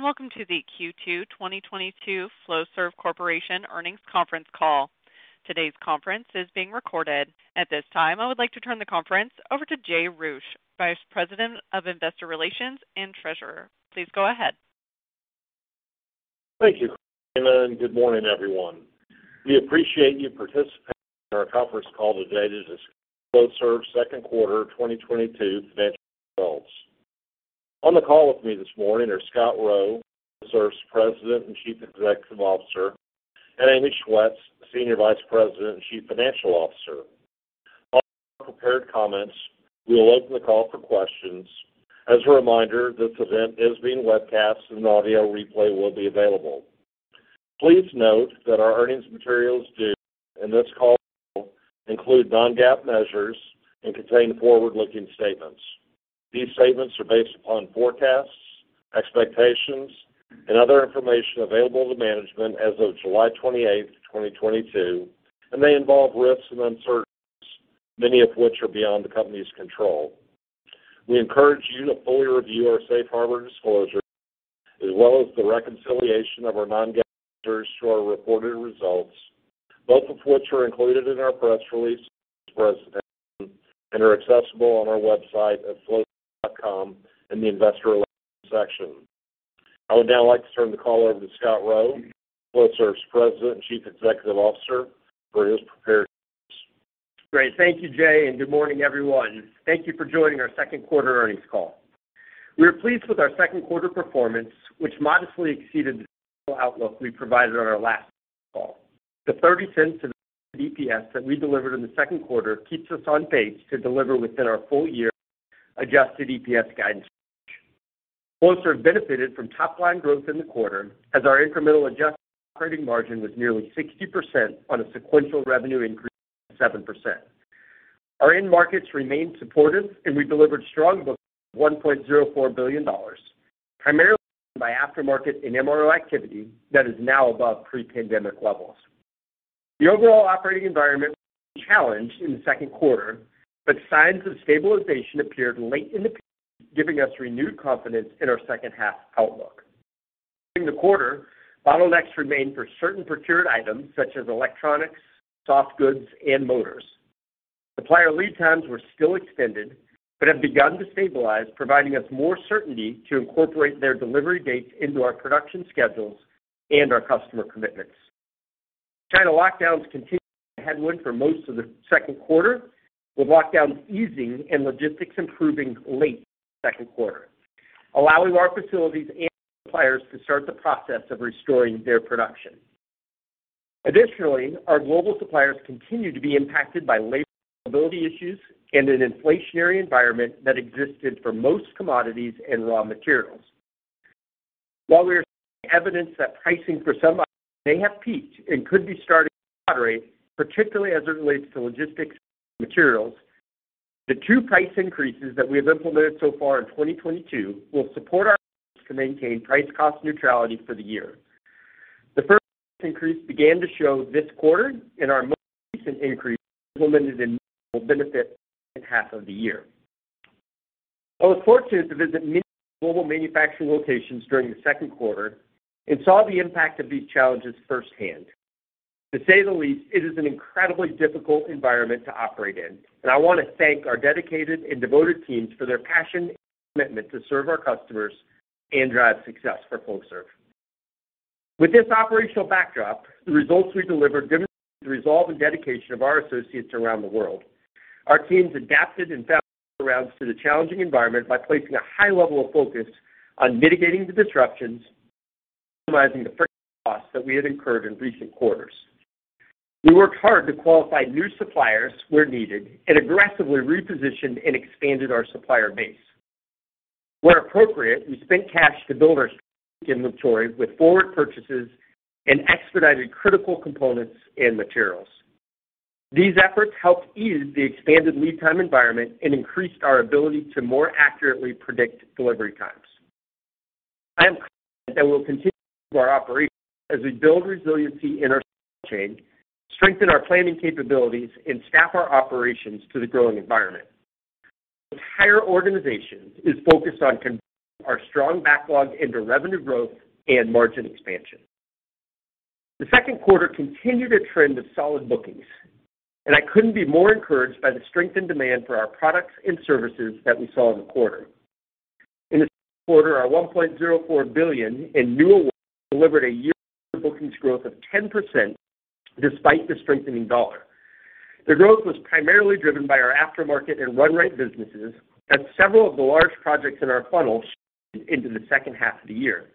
Welcome to the Q2 2022 Flowserve Corporation Earnings Conference Call. Today's conference is being recorded. At this time, I would like to turn the conference over to Jay Roueche, Vice President of Investor Relations and Treasurer. Please go ahead. Thank you, Anna, and good morning, everyone. We appreciate you participating in our conference call today to discuss Flowserve second quarter 2022 financial results. On the call with me this morning are Scott Rowe, Flowserve's President and Chief Executive Officer, and Amy Schwetz, Senior Vice President and Chief Financial Officer. After our prepared comments, we will open the call for questions. As a reminder, this event is being webcast, and an audio replay will be available. Please note that our earnings materials today and this call include non-GAAP measures and contain forward-looking statements. These statements are based upon forecasts, expectations, and other information available to management as of July 28th, 2022, and they involve risks and uncertainties, many of which are beyond the company's control. We encourage you to fully review our safe harbor disclosures, as well as the reconciliation of our non-GAAP measures to our reported results, both of which are included in our press release and this presentation and are accessible on our website at flowserve.com in the investor relations section. I would now like to turn the call over to Scott Rowe, Flowserve's President and Chief Executive Officer, for his prepared comments. Great. Thank you, Jay, and good morning, everyone. Thank you for joining our second quarter earnings call. We are pleased with our second quarter performance, which modestly exceeded the outlook we provided on our last call. The $0.30 of EPS that we delivered in the second quarter keeps us on pace to deliver within our full-year adjusted EPS guidance range. Flowserve benefited from top-line growth in the quarter as our incremental adjusted operating margin was nearly 60% on a sequential revenue increase of 7%. Our end markets remained supportive, and we delivered strong bookings of $1.04 billion, primarily driven by aftermarket and MRO activity that is now above pre-pandemic levels. The overall operating environment was a challenge in the second quarter, but signs of stabilization appeared late in the period, giving us renewed confidence in our second half outlook. During the quarter, bottlenecks remained for certain procured items such as electronics, soft goods, and motors. Supplier lead times were still extended but have begun to stabilize, providing us more certainty to incorporate their delivery dates into our production schedules and our customer commitments. China lockdowns continued to be a headwind for most of the second quarter, with lockdowns easing and logistics improving late second quarter, allowing our facilities and suppliers to start the process of restoring their production. Additionally, our global suppliers continue to be impacted by labor availability issues and an inflationary environment that existed for most commodities and raw materials. While we are seeing evidence that pricing for some items may have peaked and could be starting to moderate, particularly as it relates to logistics and materials, the two price increases that we have implemented so far in 2022 will support our efforts to maintain price cost neutrality for the year. The first price increase began to show this quarter, and our most recent increase implemented in May will benefit the second half of the year. I was fortunate to visit many of our global manufacturing locations during the second quarter and saw the impact of these challenges firsthand. To say the least, it is an incredibly difficult environment to operate in, and I want to thank our dedicated and devoted teams for their passion and commitment to serve our customers and drive success for Flowserve. With this operational backdrop, the results we delivered demonstrate the resolve and dedication of our associates around the world. Our teams adapted and found workarounds to the challenging environment by placing a high level of focus on mitigating the disruptions and optimizing the fixed costs that we had incurred in recent quarters. We worked hard to qualify new suppliers where needed and aggressively repositioned and expanded our supplier base. Where appropriate, we spent cash to build our strategic inventory with forward purchases and expedited critical components and materials. These efforts helped ease the expanded lead time environment and increased our ability to more accurately predict delivery times. I am confident that we'll continue to improve our operations as we build resiliency in our supply chain, strengthen our planning capabilities, and staff our operations to the growing environment. Our entire organization is focused on converting our strong backlog into revenue growth and margin expansion. The second quarter continued a trend of solid bookings, and I couldn't be more encouraged by the strength and demand for our products and services that we saw in the quarter. In the second quarter, our $1.04 billion in new awards delivered a year-over-year bookings growth of 10% despite the strengthening dollar. The growth was primarily driven by our aftermarket and RunRight businesses, as several of the large projects in our funnel shifted into the second half of the year.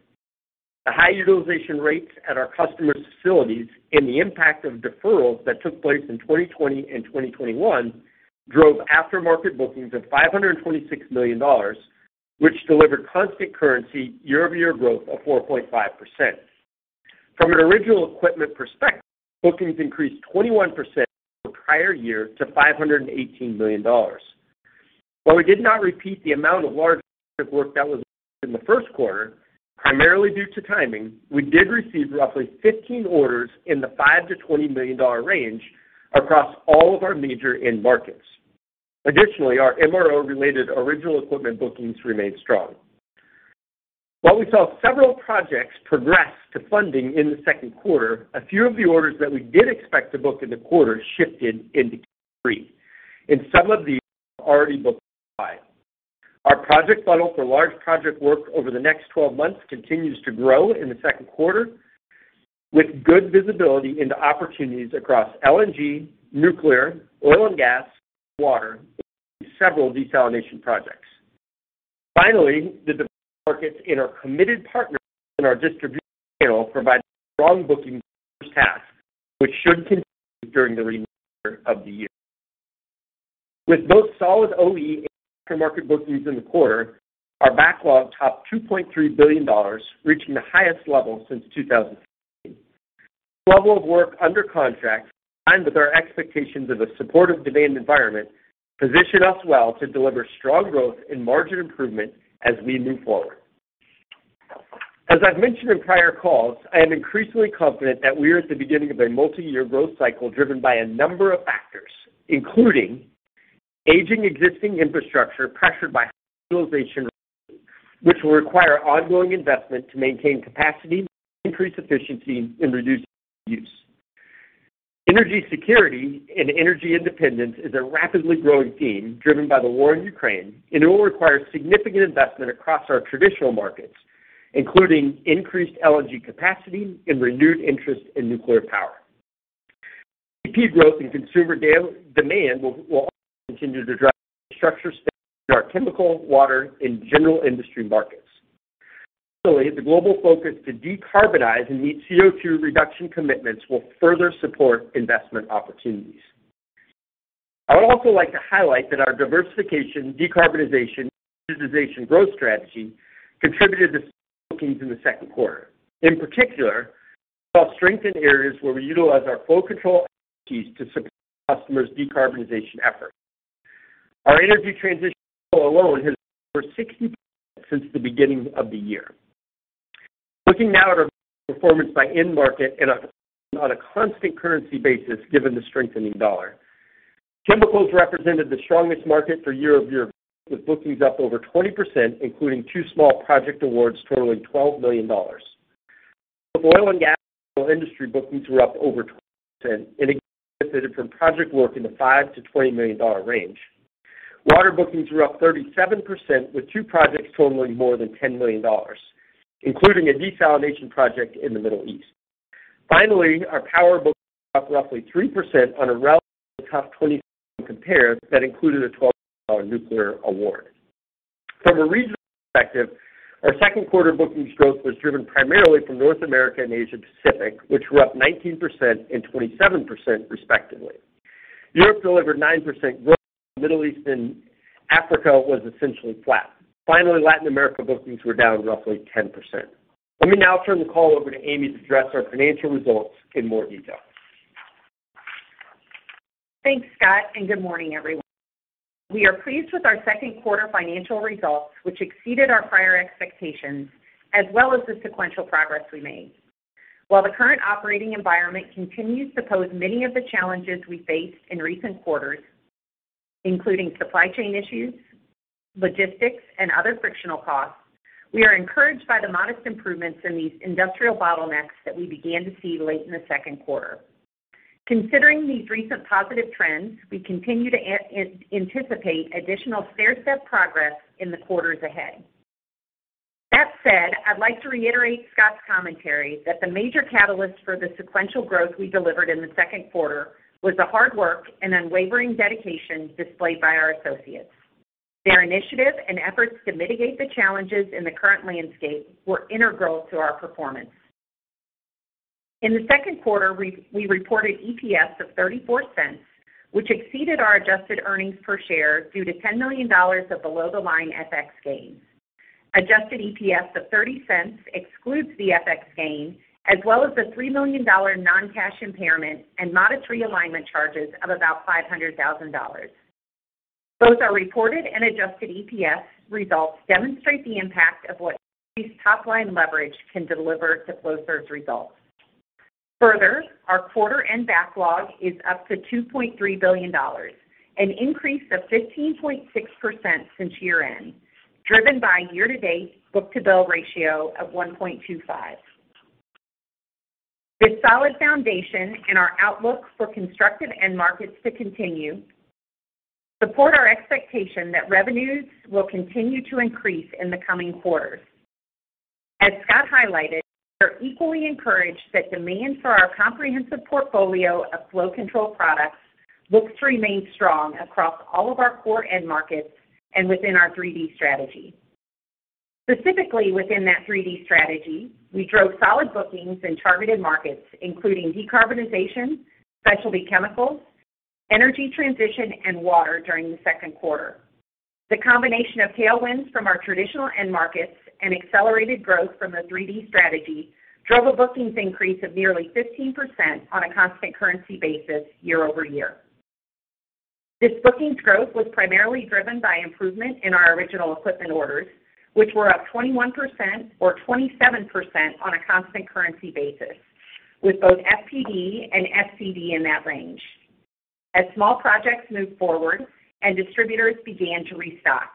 The high utilization rates at our customers' facilities and the impact of deferrals that took place in 2020 and 2021 drove aftermarket bookings of $526 million, which delivered constant currency year-over-year growth of 4.5%. From an original equipment perspective, bookings increased 21% from the prior year to $518 million. While we did not repeat the amount of large executive work that was booked in the first quarter, primarily due to timing, we did receive roughly 15 orders in the $5 million-$20 million range across all of our major end markets. Additionally, our MRO related original equipment bookings remained strong. While we saw several projects progress to funding in the second quarter, a few of the orders that we did expect to book in the quarter shifted into Q3. Some of these are already booked in five. Our project funnel for large project work over the next 12 months continues to grow in the second quarter with good visibility into opportunities across LNG, nuclear, oil and gas, water, including several desalination projects. Finally, the diverse markets in our committed partners and our distribution channel provide a strong bookings which should continue during the remainder of the year. With both solid OE and aftermarket bookings in the quarter, our backlog topped $2.3 billion, reaching the highest level since 2016. This level of work under contract, combined with our expectations of a supportive demand environment, position us well to deliver strong growth and margin improvement as we move forward. As I've mentioned in prior calls, I am increasingly confident that we are at the beginning of a multi-year growth cycle driven by a number of factors, including aging existing infrastructure pressured by high utilization rates, which will require ongoing investment to maintain capacity, increase efficiency, and reduce energy use. Energy security and energy independence is a rapidly growing theme driven by the war in Ukraine, and it will require significant investment across our traditional markets, including increased LNG capacity and renewed interest in nuclear power. GDP growth and consumer demand will also continue to drive infrastructure spend in our chemical, water, and general industry markets. Additionally, the global focus to decarbonize and meet CO2 reduction commitments will further support investment opportunities. I would also like to highlight that our diversification, decarbonization, and digitization growth strategy contributed to strong bookings in the second quarter. In particular, we saw strength in areas where we utilize our flow control expertise to support customers' decarbonization efforts. Our energy transition hub alone has delivered 60% since the beginning of the year. Looking now at our bookings performance by end market on a constant currency basis given the strengthening dollar. Chemicals represented the strongest market for year-over-year growth, with bookings up over 20%, including two small project awards totaling $12 million. Both oil and gas and general industry bookings were up over 20% and again benefited from project work in the $5 million-$20 million range. Water bookings were up 37%, with two projects totaling more than $10 million, including a desalination project in the Middle East. Finally, our power bookings were up roughly 3% on a relatively tough 2017 compare that included a $12 million nuclear award. From a regional perspective, our second quarter bookings growth was driven primarily from North America and Asia Pacific, which were up 19% and 27% respectively. Europe delivered 9% growth. The Middle East and Africa was essentially flat. Finally, Latin America bookings were down roughly 10%. Let me now turn the call over to Amy to address our financial results in more detail. Thanks, Scott, and good morning, everyone. We are pleased with our second quarter financial results, which exceeded our prior expectations as well as the sequential progress we made. While the current operating environment continues to pose many of the challenges we faced in recent quarters, including supply chain issues, logistics, and other frictional costs, we are encouraged by the modest improvements in these industrial bottlenecks that we began to see late in the second quarter. Considering these recent positive trends, we continue to anticipate additional stairstep progress in the quarters ahead. That said, I'd like to reiterate Scott's commentary that the major catalyst for the sequential growth we delivered in the second quarter was the hard work and unwavering dedication displayed by our associates. Their initiative and efforts to mitigate the challenges in the current landscape were integral to our performance. In the second quarter, we reported EPS of $0.34, which exceeded our adjusted earnings per share due to $10 million of below-the-line FX gains. Adjusted EPS of $0.30 excludes the FX gain as well as the $3 million non-cash impairment and modest realignment charges of about $500,000. Both our reported and adjusted EPS results demonstrate the impact of what increased top-line leverage can deliver to Flowserve's results. Further, our quarter-end backlog is up to $2.3 billion, an increase of 15.6% since year-end, driven by year-to-date book-to-bill ratio of 1.25. This solid foundation and our outlook for constructive end markets to continue support our expectation that revenues will continue to increase in the coming quarters. As Scott highlighted, we are equally encouraged that demand for our comprehensive portfolio of flow control products looks to remain strong across all of our core end markets and within our 3D strategy. Specifically, within that 3D strategy, we drove solid bookings in targeted markets, including decarbonization, specialty chemicals, energy transition, and water during the second quarter. The combination of tailwinds from our traditional end markets and accelerated growth from the 3D strategy drove a bookings increase of nearly 15% on a constant currency basis year-over-year. This bookings growth was primarily driven by improvement in our original equipment orders, which were up 21% or 27% on a constant currency basis. With both FPD and FCD in that range. As small projects moved forward and distributors began to restock.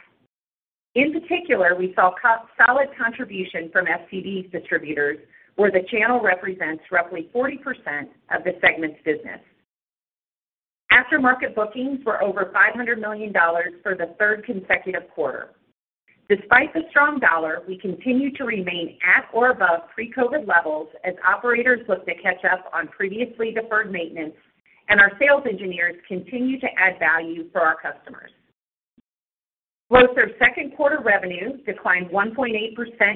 In particular, we saw consolidated contribution from FCD distributors, where the channel represents roughly 40% of the segment's business. Aftermarket bookings were over $500 million for the third consecutive quarter. Despite the strong dollar, we continue to remain at or above pre-COVID levels as operators look to catch up on previously deferred maintenance, and our sales engineers continue to add value for our customers. Flowserve's second quarter revenue declined 1.8%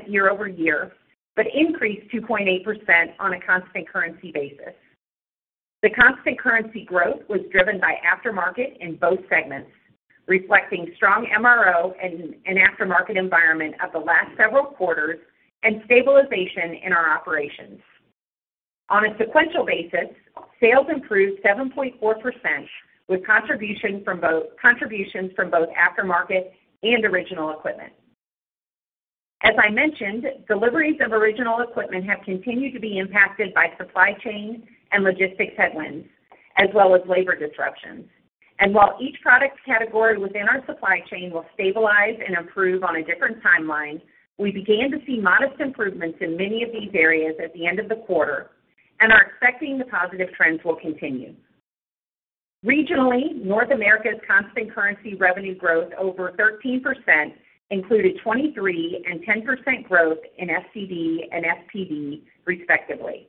year-over-year, but increased 2.8% on a constant currency basis. The constant currency growth was driven by aftermarket in both segments, reflecting strong MRO and aftermarket environment of the last several quarters and stabilization in our operations. On a sequential basis, sales improved 7.4% with contributions from both aftermarket and original equipment. As I mentioned, deliveries of original equipment have continued to be impacted by supply chain and logistics headwinds, as well as labor disruptions. While each product category within our supply chain will stabilize and improve on a different timeline, we began to see modest improvements in many of these areas at the end of the quarter and are expecting the positive trends will continue. Regionally, North America's constant currency revenue growth over 13% included 23% and 10% growth in FCD and FPD, respectively.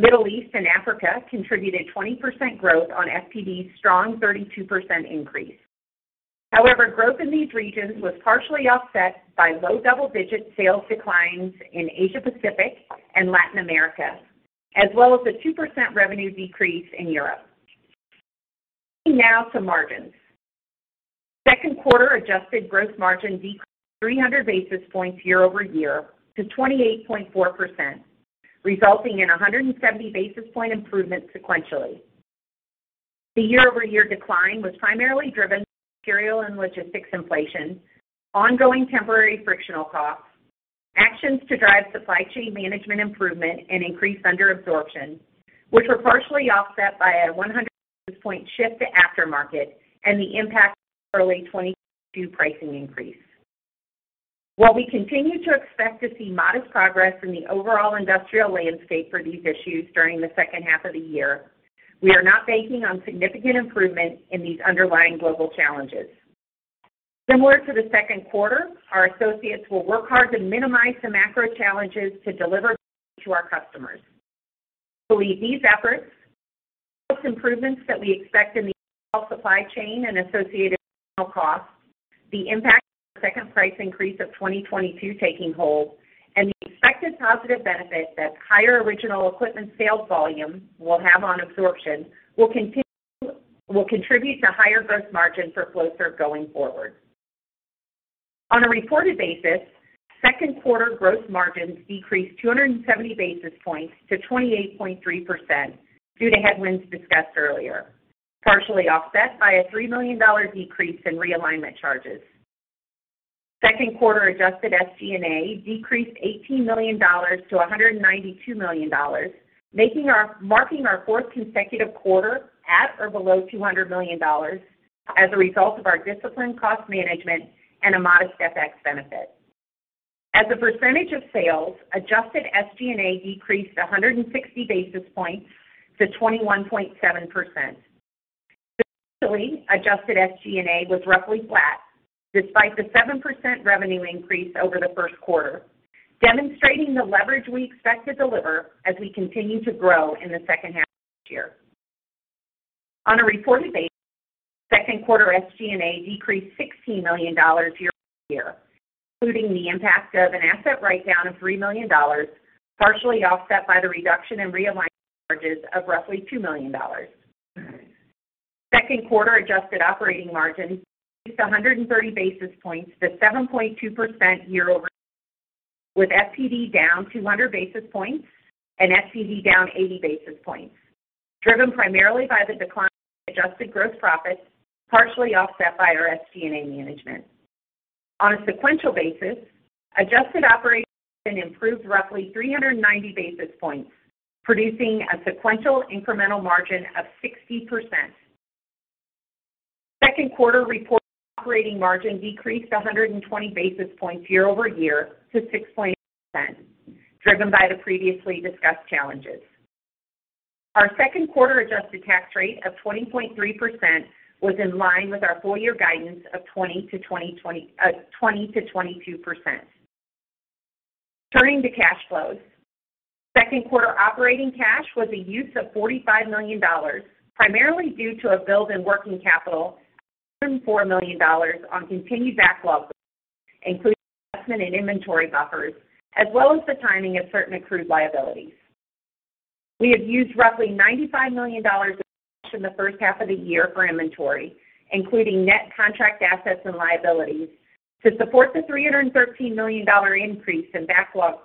Middle East and Africa contributed 20% growth on FPD's strong 32% increase. However, growth in these regions was partially offset by low double-digit sales declines in Asia Pacific and Latin America, as well as a 2% revenue decrease in Europe. Turning now to margins. Second quarter adjusted gross margin decreased 300 basis points year-over-year to 28.4%, resulting in a 170 basis point improvement sequentially. The year-over-year decline was primarily driven by material and logistics inflation, ongoing temporary frictional costs, actions to drive supply chain management improvement and increased under absorption, which were partially offset by a 100 basis point shift to aftermarket and the impact of early 2022 pricing increase. While we continue to expect to see modest progress in the overall industrial landscape for these issues during the second half of the year, we are not banking on significant improvement in these underlying global challenges. Similar to the second quarter, our associates will work hard to minimize the macro challenges to deliver value to our customers. We believe these efforts, plus improvements that we expect in the overall supply chain and associated frictional costs, the impact of the second price increase of 2022 taking hold, and the expected positive benefit that higher original equipment sales volume will have on absorption will contribute to higher gross margin for Flowserve going forward. On a reported basis, second quarter gross margins decreased 270 basis points to 28.3% due to headwinds discussed earlier, partially offset by a $3 million decrease in realignment charges. Second quarter adjusted SG&A decreased $18 million-$192 million, marking our fourth consecutive quarter at or below $200 million as a result of our disciplined cost management and a modest FX benefit. As a percentage of sales, adjusted SG&A decreased 160 basis points to 21.7%. Specifically, adjusted SG&A was roughly flat despite the 7% revenue increase over the first quarter, demonstrating the leverage we expect to deliver as we continue to grow in the second half of this year. On a reported basis, second quarter SG&A decreased $60 million year over year, including the impact of an asset write-down of $3 million, partially offset by the reduction in realignment charges of roughly $2 million. Second quarter adjusted operating margin decreased 130 basis points to 7.2% year over year, with FPD down 200 basis points and FCD down 80 basis points, driven primarily by the decline in adjusted gross profits, partially offset by our SG&A management. On a sequential basis, adjusted operating margin improved roughly 390 basis points, producing a sequential incremental margin of 60%. Second quarter reported operating margin decreased 120 basis points year-over-year to 6.8%, driven by the previously discussed challenges. Our second quarter adjusted tax rate of 20.3% was in line with our full year guidance of 20%-22%. Turning to cash flows. Second quarter operating cash was a use of $45 million, primarily due to a build in working capital of $34 million on continued backlog growth, including investment in inventory buffers, as well as the timing of certain accrued liabilities. We have used roughly $95 million of cash in the first half of the year for inventory, including net contract assets and liabilities, to support the $313 million increase in backlog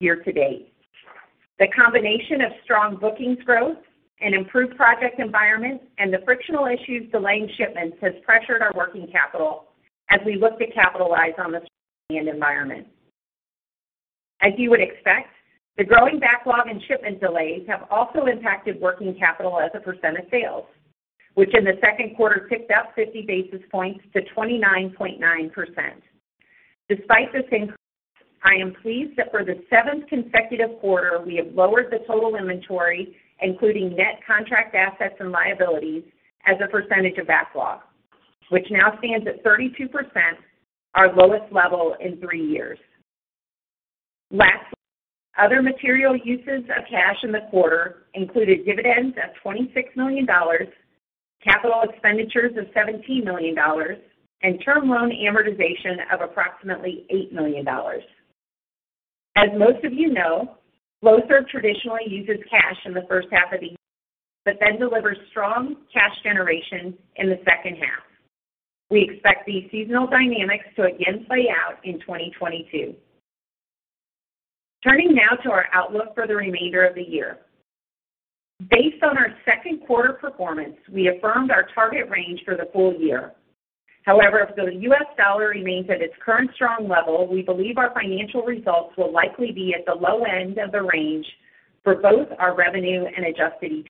year to date. The combination of strong bookings growth and improved project environments and the frictional issues delaying shipments has pressured our working capital. As we look to capitalize on the environment. As you would expect, the growing backlog and shipment delays have also impacted working capital as a percent of sales, which in the second quarter ticked up 50 basis points to 29.9%. Despite this increase, I am pleased that for the seventh consecutive quarter, we have lowered the total inventory, including net contract assets and liabilities as a percentage of backlog, which now stands at 32%, our lowest level in three years. Lastly, other material uses of cash in the quarter included dividends of $26 million, capital expenditures of $17 million, and term loan amortization of approximately $8 million. As most of you know, Flowserve traditionally uses cash in the first half of the year, but then delivers strong cash generation in the second half. We expect these seasonal dynamics to again play out in 2022. Turning now to our outlook for the remainder of the year. Based on our second quarter performance, we affirmed our target range for the full year. However, if the U.S. dollar remains at its current strong level, we believe our financial results will likely be at the low end of the range for both our revenue and adjusted EPS.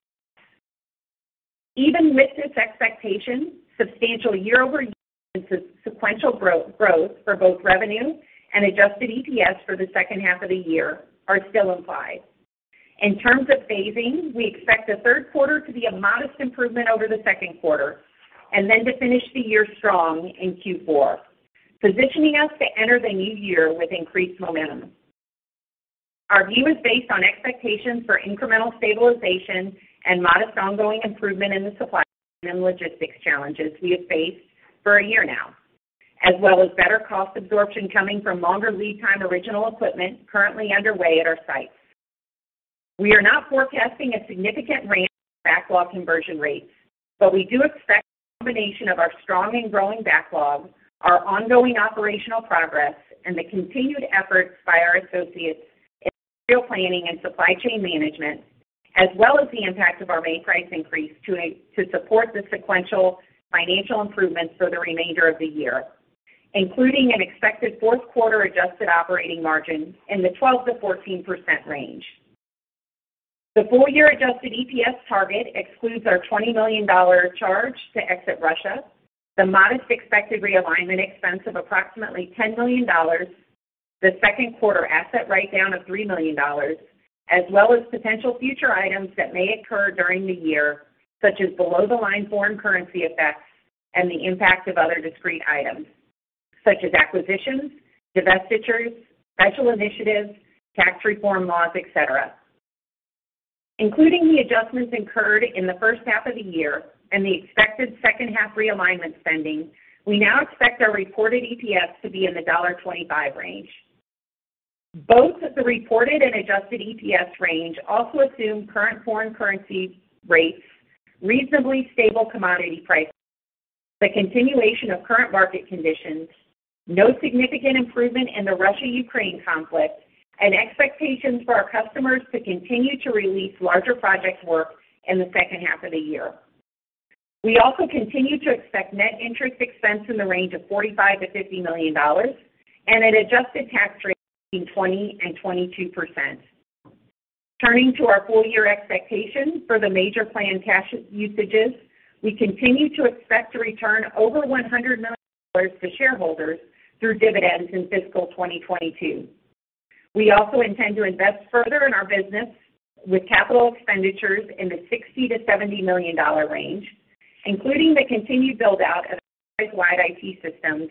Even with this expectation, substantial year-over-year and sequential growth for both revenue and adjusted EPS for the second half of the year are still implied. In terms of phasing, we expect the third quarter to be a modest improvement over the second quarter, and then to finish the year strong in Q4, positioning us to enter the new year with increased momentum. Our view is based on expectations for incremental stabilization and modest ongoing improvement in the supply chain and logistics challenges we have faced for a year now, as well as better cost absorption coming from longer lead time original equipment currently underway at our sites. We are not forecasting a significant range in backlog conversion rates, but we do expect the combination of our strong and growing backlog, our ongoing operational progress, and the continued efforts by our associates in material planning and supply chain management, as well as the impact of our May price increase to support the sequential financial improvements for the remainder of the year, including an expected fourth quarter adjusted operating margin in the 12%-14% range. The full year adjusted EPS target excludes our $20 million charge to exit Russia, the modest expected realignment expense of approximately $10 million, the second quarter asset write down of $3 million, as well as potential future items that may occur during the year, such as below-the-line foreign currency effects and the impact of other discrete items, such as acquisitions, divestitures, special initiatives, tax reform laws, et cetera. Including the adjustments incurred in the first half of the year and the expected second half realignment spending, we now expect our reported EPS to be in the $1.25 range. Both the reported and adjusted EPS range also assume current foreign currency rates, reasonably stable commodity prices, the continuation of current market conditions, no significant improvement in the Russia-Ukraine conflict, and expectations for our customers to continue to release larger project work in the second half of the year. We also continue to expect net interest expense in the range of $45 million-$50 million and an adjusted tax rate between 20%-22%. Turning to our full year expectations for the major planned cash usages, we continue to expect to return over $100 million to shareholders through dividends in fiscal 2022. We also intend to invest further in our business with capital expenditures in the $60 million-$70 million range, including the continued build-out of enterprise-wide IT systems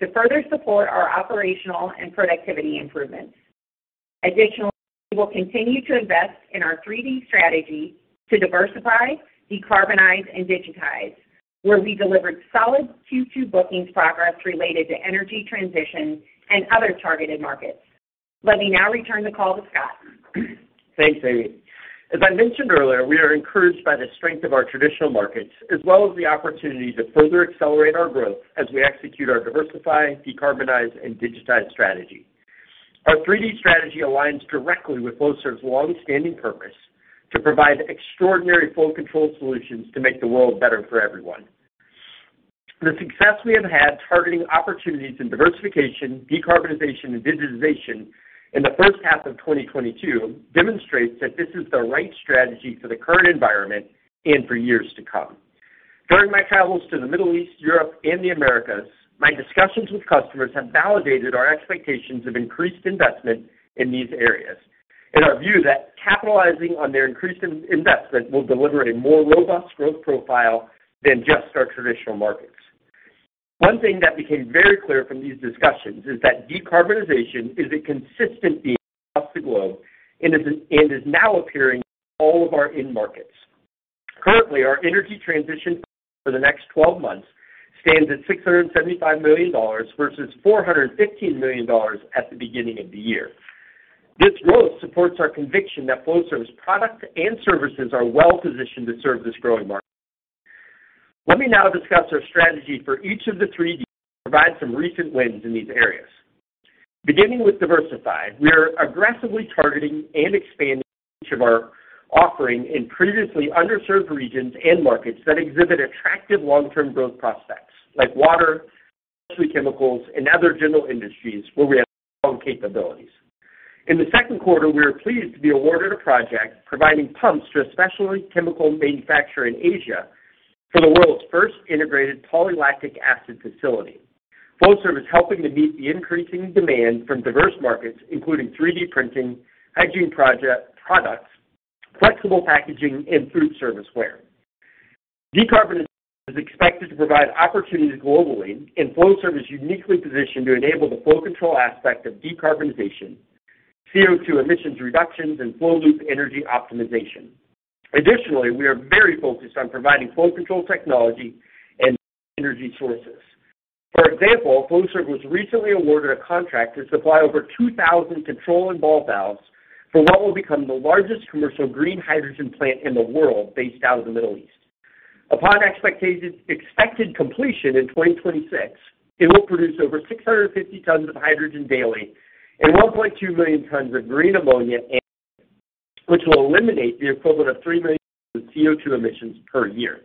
to further support our operational and productivity improvements. Additionally, we will continue to invest in our 3D strategy to diversify, decarbonize, and digitize, where we delivered solid Q2 bookings progress related to energy transition and other targeted markets. Let me now return the call to Scott. Thanks, Amy. As I mentioned earlier, we are encouraged by the strength of our traditional markets, as well as the opportunity to further accelerate our growth as we execute our diversify, decarbonize, and digitize strategy. Our 3D strategy aligns directly with Flowserve's longstanding purpose to provide extraordinary flow control solutions to make the world better for everyone. The success we have had targeting opportunities in diversification, decarbonization, and digitization in the first half of 2022 demonstrates that this is the right strategy for the current environment and for years to come. During my travels to the Middle East, Europe, and the Americas, my discussions with customers have validated our expectations of increased investment in these areas. In our view, that capitalizing on their increased investment will deliver a more robust growth profile than just our traditional markets. One thing that became very clear from these discussions is that decarbonization is a consistent theme across the globe and is now appearing in all of our end markets. Currently, our energy transition for the next 12 months stands at $675 million versus $415 million at the beginning of the year. This growth supports our conviction that Flowserve's product and services are well-positioned to serve this growing market. Let me now discuss our strategy for each of the 3Ds and provide some recent wins in these areas. Beginning with diversified, we are aggressively targeting and expanding each of our offering in previously underserved regions and markets that exhibit attractive long-term growth prospects like water, specialty chemicals, and other general industries where we have strong capabilities. In the second quarter, we were pleased to be awarded a project providing pumps to a specialty chemical manufacturer in Asia for the world's first integrated polylactic acid facility. Flowserve is helping to meet the increasing demand from diverse markets, including 3D printing, hygiene products, flexible packaging, and food serviceware. Decarbonization is expected to provide opportunities globally, and Flowserve is uniquely positioned to enable the flow control aspect of decarbonization, CO2 emissions reductions, and flow loop energy optimization. Additionally, we are very focused on providing flow control technology and energy sources. For example, Flowserve was recently awarded a contract to supply over 2,000 control and ball valves for what will become the largest commercial green hydrogen plant in the world based out of the Middle East. Expected completion in 2026, it will produce over 650 tons of hydrogen daily and 1.2 million tons of green ammonia annually, which will eliminate the equivalent of 3 million tons of CO2 emissions per year.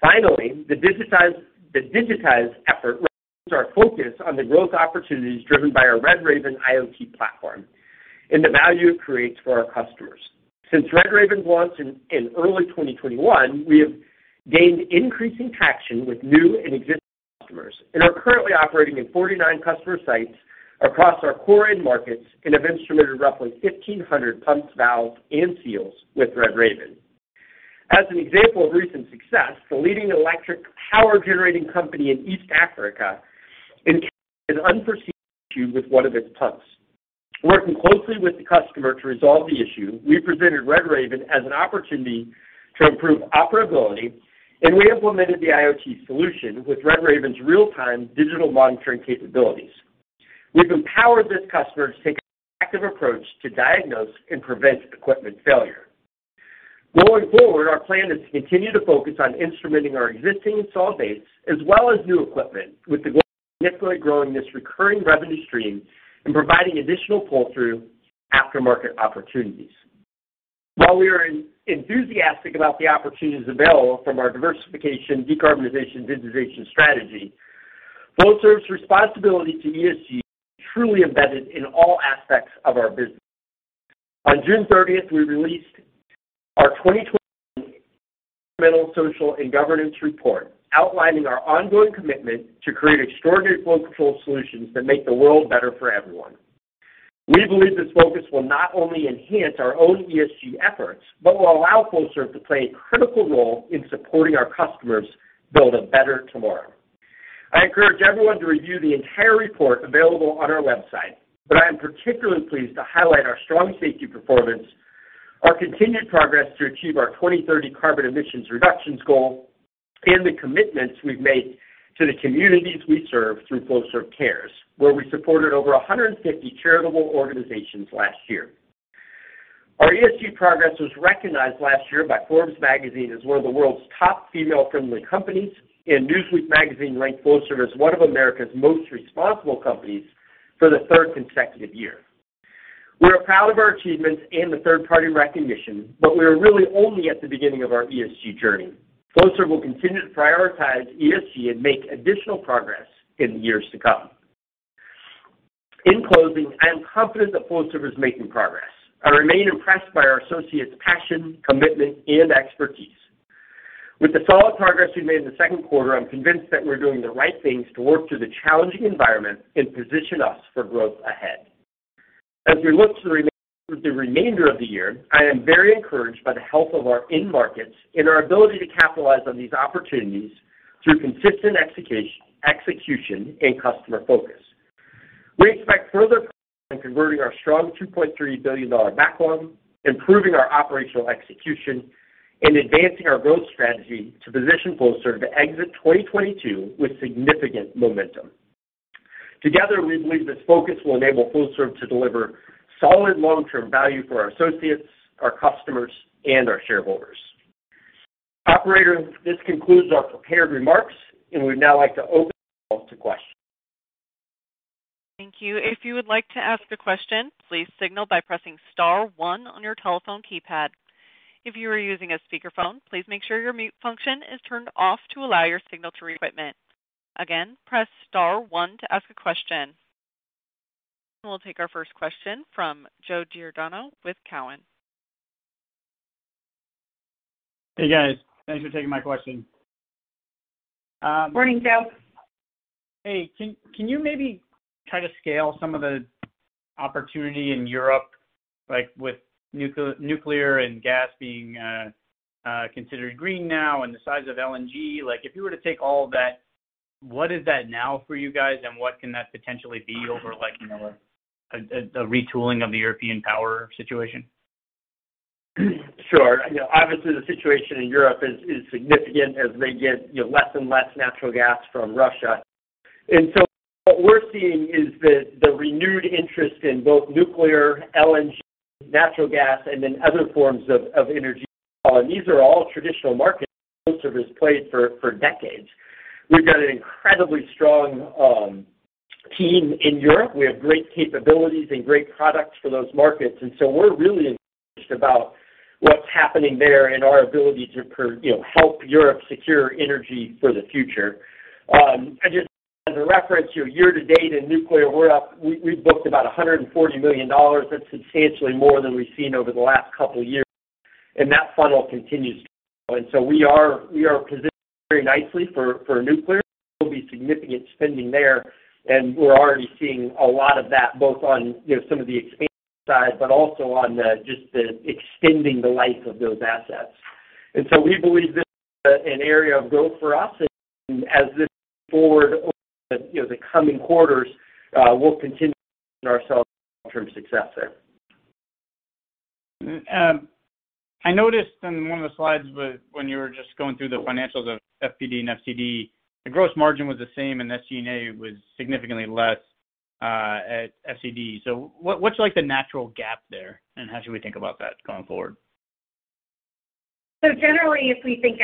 Finally, the digitization effort remains our focus on the growth opportunities driven by our Red Raven IoT platform and the value it creates for our customers. Since Red Raven launched in early 2021, we have gained increasing traction with new and existing customers and are currently operating in 49 customer sites across our core end markets and have instrumented roughly 1,500 pumps, valves, and seals with Red Raven. As an example of recent success, the leading electric power generating company in East Africa encountered an unforeseen issue with one of its pumps. Working closely with the customer to resolve the issue, we presented Red Raven as an opportunity to improve operability, and we implemented the IoT solution with Red Raven's real-time digital monitoring capabilities. We've empowered this customer to take an active approach to diagnose and prevent equipment failure. Going forward, our plan is to continue to focus on instrumenting our existing installed base as well as new equipment with the goal of significantly growing this recurring revenue stream and providing additional pull-through aftermarket opportunities. While we are enthusiastic about the opportunities available from our diversification, decarbonization, digitization strategy, Flowserve's responsibility to ESG is truly embedded in all aspects of our business. On June 30th, we released our 2021 environmental, social, and governance report outlining our ongoing commitment to create extraordinary flow control solutions that make the world better for everyone. We believe this focus will not only enhance our own ESG efforts, but will allow Flowserve to play a critical role in supporting our customers build a better tomorrow. I encourage everyone to review the entire report available on our website, but I am particularly pleased to highlight our strong safety performance, our continued progress to achieve our 2030 carbon emissions reductions goal, and the commitments we've made to the communities we serve through Flowserve Cares, where we supported over 150 charitable organizations last year. Our ESG progress was recognized last year by Forbes Magazine as one of the world's top female-friendly companies, and Newsweek Magazine ranked Flowserve as one of America's most responsible companies for the third consecutive year. We are proud of our achievements and the third-party recognition, but we are really only at the beginning of our ESG journey. Flowserve will continue to prioritize ESG and make additional progress in the years to come. In closing, I am confident that Flowserve is making progress. I remain impressed by our associates' passion, commitment, and expertise. With the solid progress we've made in the second quarter, I'm convinced that we're doing the right things to work through the challenging environment and position us for growth ahead. As we look to the remainder of the year, I am very encouraged by the health of our end markets and our ability to capitalize on these opportunities through consistent execution and customer focus. We expect further progress on converting our strong $2.3 billion backlog, improving our operational execution, and advancing our growth strategy to position Flowserve to exit 2022 with significant momentum. Together, we believe this focus will enable Flowserve to deliver solid long-term value for our associates, our customers, and our shareholders. Operator, this concludes our prepared remarks, and we'd now like to open the call to questions. Thank you. If you would like to ask a question, please signal by pressing star one on your telephone keypad. If you are using a speakerphone, please make sure your mute function is turned off to allow your signal to reach equipment. Again, press star one to ask a question. We'll take our first question from Joe Giordano with Cowen. Hey, guys. Thanks for taking my question. Morning, Joe. Hey, can you maybe try to scale some of the opportunity in Europe, like, with nuclear and gas being considered green now and the size of LNG? Like, if you were to take all that, what is that now for you guys, and what can that potentially be over, like, you know, a retooling of the European power situation? Sure. You know, obviously, the situation in Europe is significant as they get, you know, less and less natural gas from Russia. What we're seeing is the renewed interest in both nuclear, LNG, natural gas and then other forms of energy. These are all traditional markets that Flowserve played for decades. We've got an incredibly strong team in Europe. We have great capabilities and great products for those markets. We're really encouraged about what's happening there and our ability to help Europe secure energy for the future. I just, as a reference here, year to date in nuclear, we booked about $140 million. That's substantially more than we've seen over the last couple years, and that funnel continues to grow. We are positioned very nicely for nuclear. There will be significant spending there, and we're already seeing a lot of that both on, you know, some of the expansion side, but also on just the extending the life of those assets. We believe this is an area of growth for us. As this move forward over the, you know, the coming quarters, we'll continue to position ourselves for long-term success there. I noticed on one of the slides when you were just going through the financials of FPD and FCD, the gross margin was the same, and SG&A was significantly less at FCD. What's like the natural gap there, and how should we think about that going forward? Generally, if we think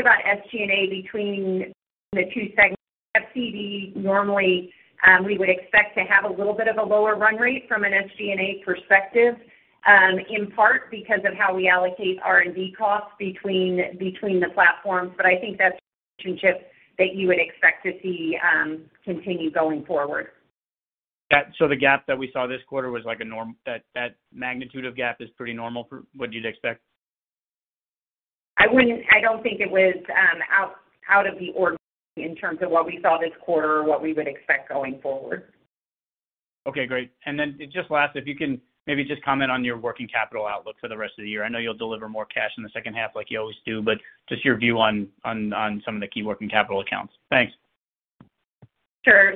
about SG&A between the two segments, FCD normally we would expect to have a little bit of a lower run rate from an SG&A perspective, in part because of how we allocate R&D costs between the platforms. I think that's the relationship that you would expect to see continue going forward. The gap that we saw this quarter was like a norm. That magnitude of gap is pretty normal for what you'd expect? I don't think it was out of the ordinary in terms of what we saw this quarter or what we would expect going forward. Okay, great. Just last, if you can maybe just comment on your working capital outlook for the rest of the year. I know you'll deliver more cash in the second half like you always do, but just your view on some of the key working capital accounts. Thanks. Sure.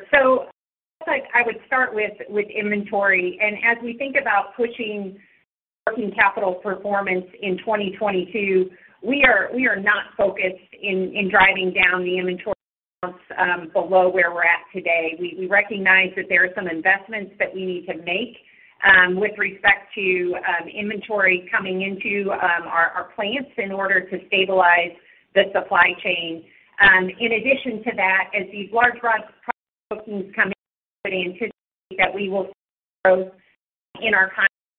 I would start with inventory, and as we think about pushing working capital performance in 2022, we are not focused in driving down the inventory counts below where we're at today. We recognize that there are some investments that we need to make with respect to inventory coming into our plants in order to stabilize the supply chain. In addition to that, as these large bookings coming in that we will see growth in our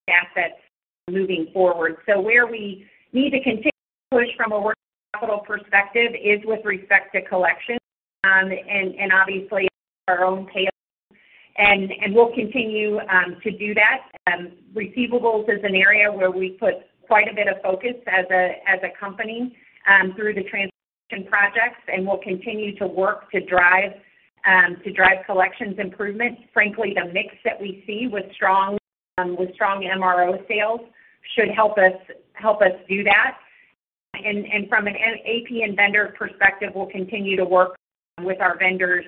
assets moving forward. So where we need to continue to push from a working capital persepective is with respect to collection and obviously, our own pay, and we'll continue to do that. Receivables is an area where we put quite a bit of focus as a companythrough the transition projects, and we'll continue to work to drive collections improvements. Frankly, the mix that we see with strong MRO sales should help us do that. And from an AP and vendor perspective, we'll continue to work with our vendors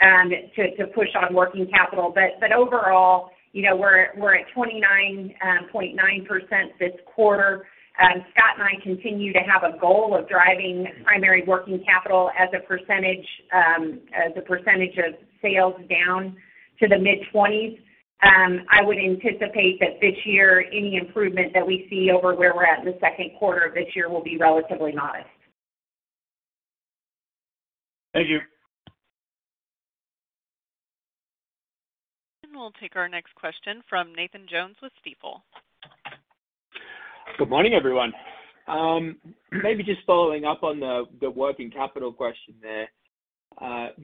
to push on working capital. But overall, we're at 29.9% this quarter. Scott and I continue to have a goal of driving primary working capital as a percentage of sales down to the mid-20s. I would anticipate that this year, any improvementg that we see over where we're at the second quarter of this year will be relatively modest. Thank you. We'll take our next question from Nathan Jones with Stifel. Good morning everyone. Maybe just following up on the working capital question there.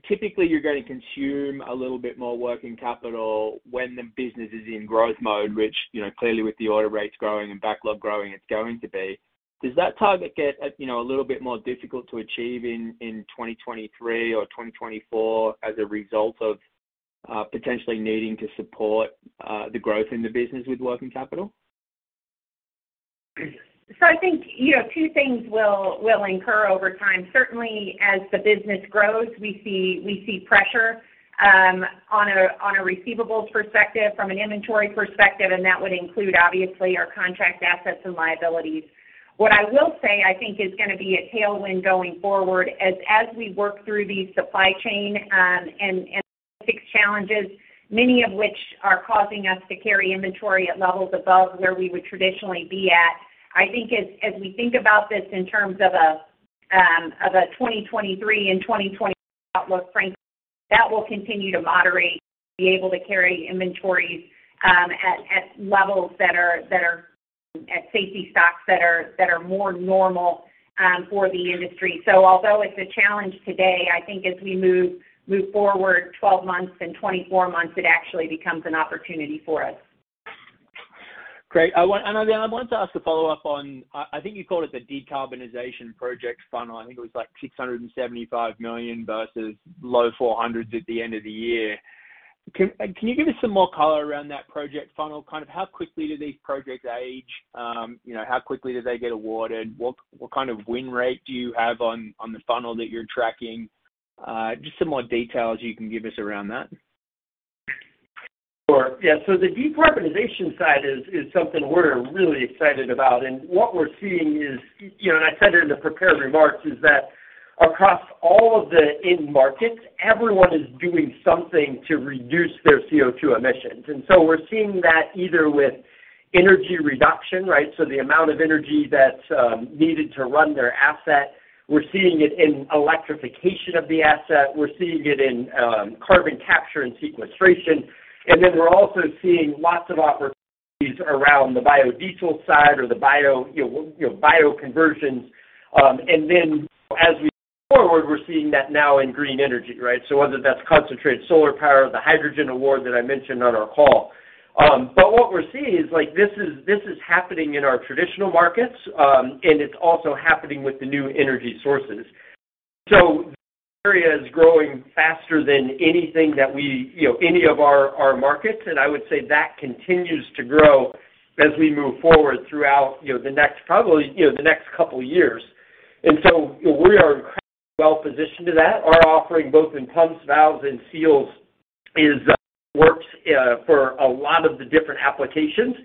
Typically, you're going to consume a little bit more working capitalwhen the business is in growth mode, which clearly with the order rates growing and backlog growing, it's going to be. Does that target get a little bit more difficult to achieve in 2023 or 2024 as a result of potentially needing to support the growyh in the business with working capital? I think two things will incur over time. Certainly, as the business grows, we see pressure on receivables perspective, from an inventoryperspective, and that would include, obviously, our contract assets and liabilites. What I will say, I think, is going to be a tailwind going forward as we work through the supply chain and fixed challenges, many of which are causing us to carry inventory at levels above where we would traditionally be at. I think as we think about this in terms of a 2023 and 2024 outlook, frankly, that will continue to moderate, be able to carry inventories at levels that are at safety stocks that are more normal for the industry. So although it's a challenge today, I think as we move forward 12 months and 24 months, it actually becomes an opportunity for us. I wanted to ask a follow-up on. I think you called it the decarbonization project funnel. I think it was like $675 million versus low $400s million at the end of the year. Can you give us some more color around that project funnel? Kind of how quickly do these projects age? How quickly do they get awarded? What kind of win rate do you have on the funnel that you're tracking? Just some more details you can give us around that? Sure. Yeah. The decarbonization side is something we're really excited about. What we're seeing is, you know, and I said it in the prepared remarks, is that across all of the end markets, everyone is doing something to reduce their CO2 emissions. We're seeing that either with energy reduction, right? The amount of energy that's needed to run their asset. We're seeing it in electrification of the asset, we're seeing it in carbon capture and sequestration. We're also seeing lots of opportunities around the biodiesel side or the bio, you know, bio-conversions. As we move forward, we're seeing that now in green energy, right? So whether that's concentrated solar power or the hydrogen award that I mentioned on our call. What we're seeing is like this is happening in our traditional markets, and it's also happening with the new energy sources. This area is growing faster than anything that we, you know, any of our markets. I would say that continues to grow as we move forward throughout, you know, the next probably, you know, the next couple years. We are incredibly well-positioned to that. Our offering, both in pumps, valves, and seals, is works for a lot of the different applications,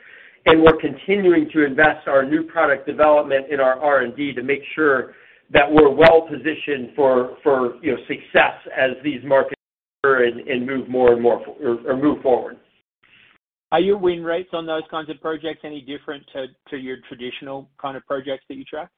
and we're continuing to invest our new product development in our R&D to make sure that we're well-positioned for, you know, success as these markets mature and move more and more or move forward. Are your win rates on those kinds of projects any different to your traditional kind of projects that you track?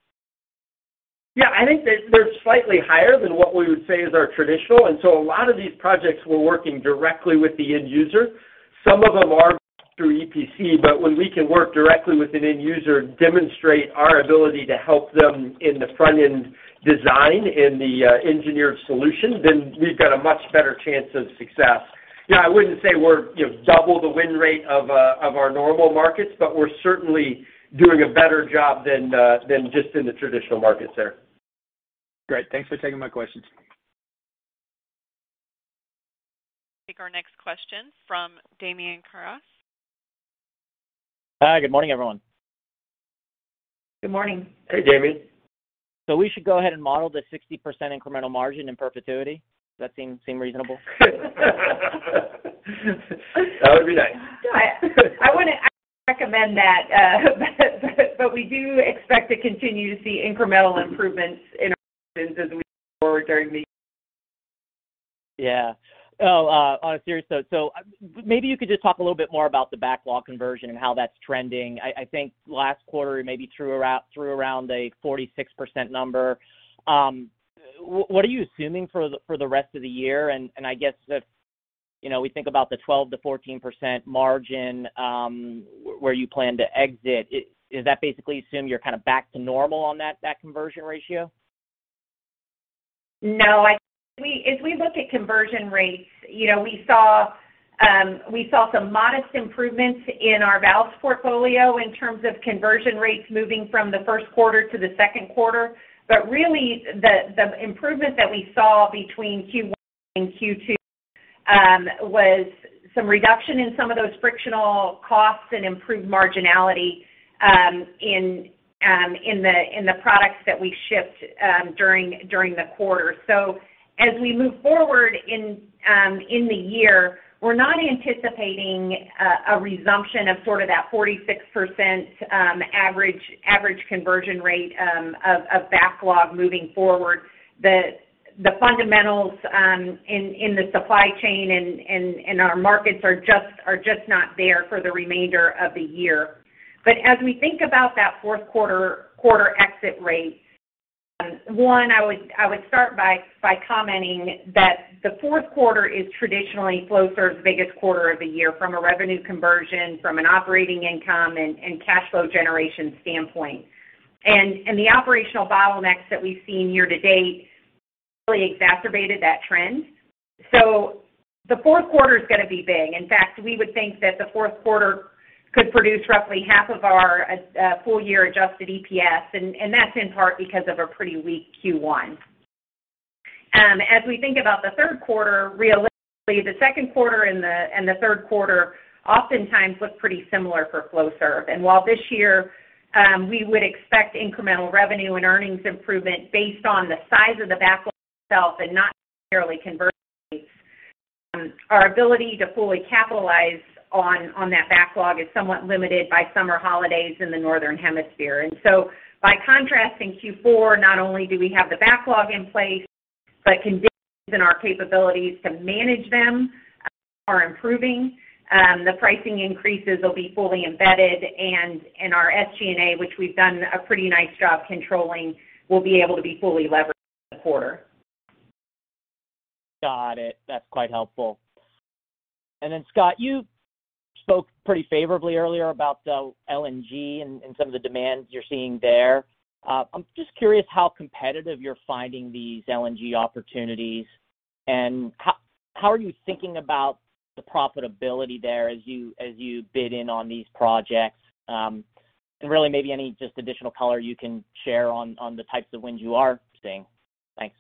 Yeah, I think they're slightly higher than what we would say is our traditional. A lot of these projects, we're working directly with the end user. Some of them are through EPC, but when we can work directly with an end user, demonstrate our ability to help them in the front-end design, in the engineered solution, then we've got a much better chance of success. You know, I wouldn't say we're, you know, double the win rate of our normal markets, but we're certainly doing a better job than just in the traditional markets there. Great. Thanks for taking my questions. Take our next question from Damian Karas. Hi, good morning, everyone. Good morning. Hey, Damian. We should go ahead and model the 60% incremental margin in perpetuity. Does that seem reasonable? That would be nice. Yeah. I wouldn't actually recommend that, but we do expect to continue to see incremental improvements in our margins as we move forward during the year. Yeah. Well, on a serious note, maybe you could just talk a little bit more about the backlog conversion and how that's trending. I think last quarter, maybe through around a 46% number. What are you assuming for the rest of the year? I guess if, you know, we think about the 12%-14% margin, where you plan to exit, does that basically assume you're kind of back to normal on that conversion ratio? No. I think if we look at conversion rates, you know, we saw some modest improvements in our valves portfolio in terms of conversion rates moving from the first quarter to the second quarter. Really, the improvement that we saw between Q1 and Q2 was some reduction in some of those frictional costs and improved marginality in the products that we shipped during the quarter. As we move forward in the year, we're not anticipating a resumption of sort of that 46% average conversion rate of backlog moving forward. The fundamentals in the supply chain and our markets are just not there for the remainder of the year. As we think about that fourth quarter quarter exit rate, I would start by commenting that the fourth quarter is traditionally Flowserve's biggest quarter of the year from a revenue conversion, from an operating income, and cash flow generation standpoint. The operational bottlenecks that we've seen year-to-date really exacerbated that trend. The fourth quarter is gonna be big. In fact, we would think that the fourth quarter could produce roughly half of our full-year adjusted EPS, and that's in part because of a pretty weak Q1. As we think about the third quarter, realistically, the second quarter and the third quarter oftentimes look pretty similar for Flowserve. While this year, we would expect incremental revenue and earnings improvement based on the size of the backlog itself and not necessarily conversion rates, our ability to fully capitalize on that backlog is somewhat limited by summer holidays in the northern hemisphere. By contrasting Q4, not only do we have the backlog in place, but conditions and our capabilities to manage them are improving. The pricing increases will be fully embedded, and in our SG&A, which we've done a pretty nice job controlling, we'll be able to be fully leveraged in the quarter. Got it. That's quite helpful. Scott, you spoke pretty favorably earlier about the LNG and some of the demands you're seeing there. I'm just curious how competitive you're finding these LNG opportunities, and how are you thinking about the profitability there as you bid in on these projects? And really maybe any just additional color you can share on the types of wins you are seeing. Thanks.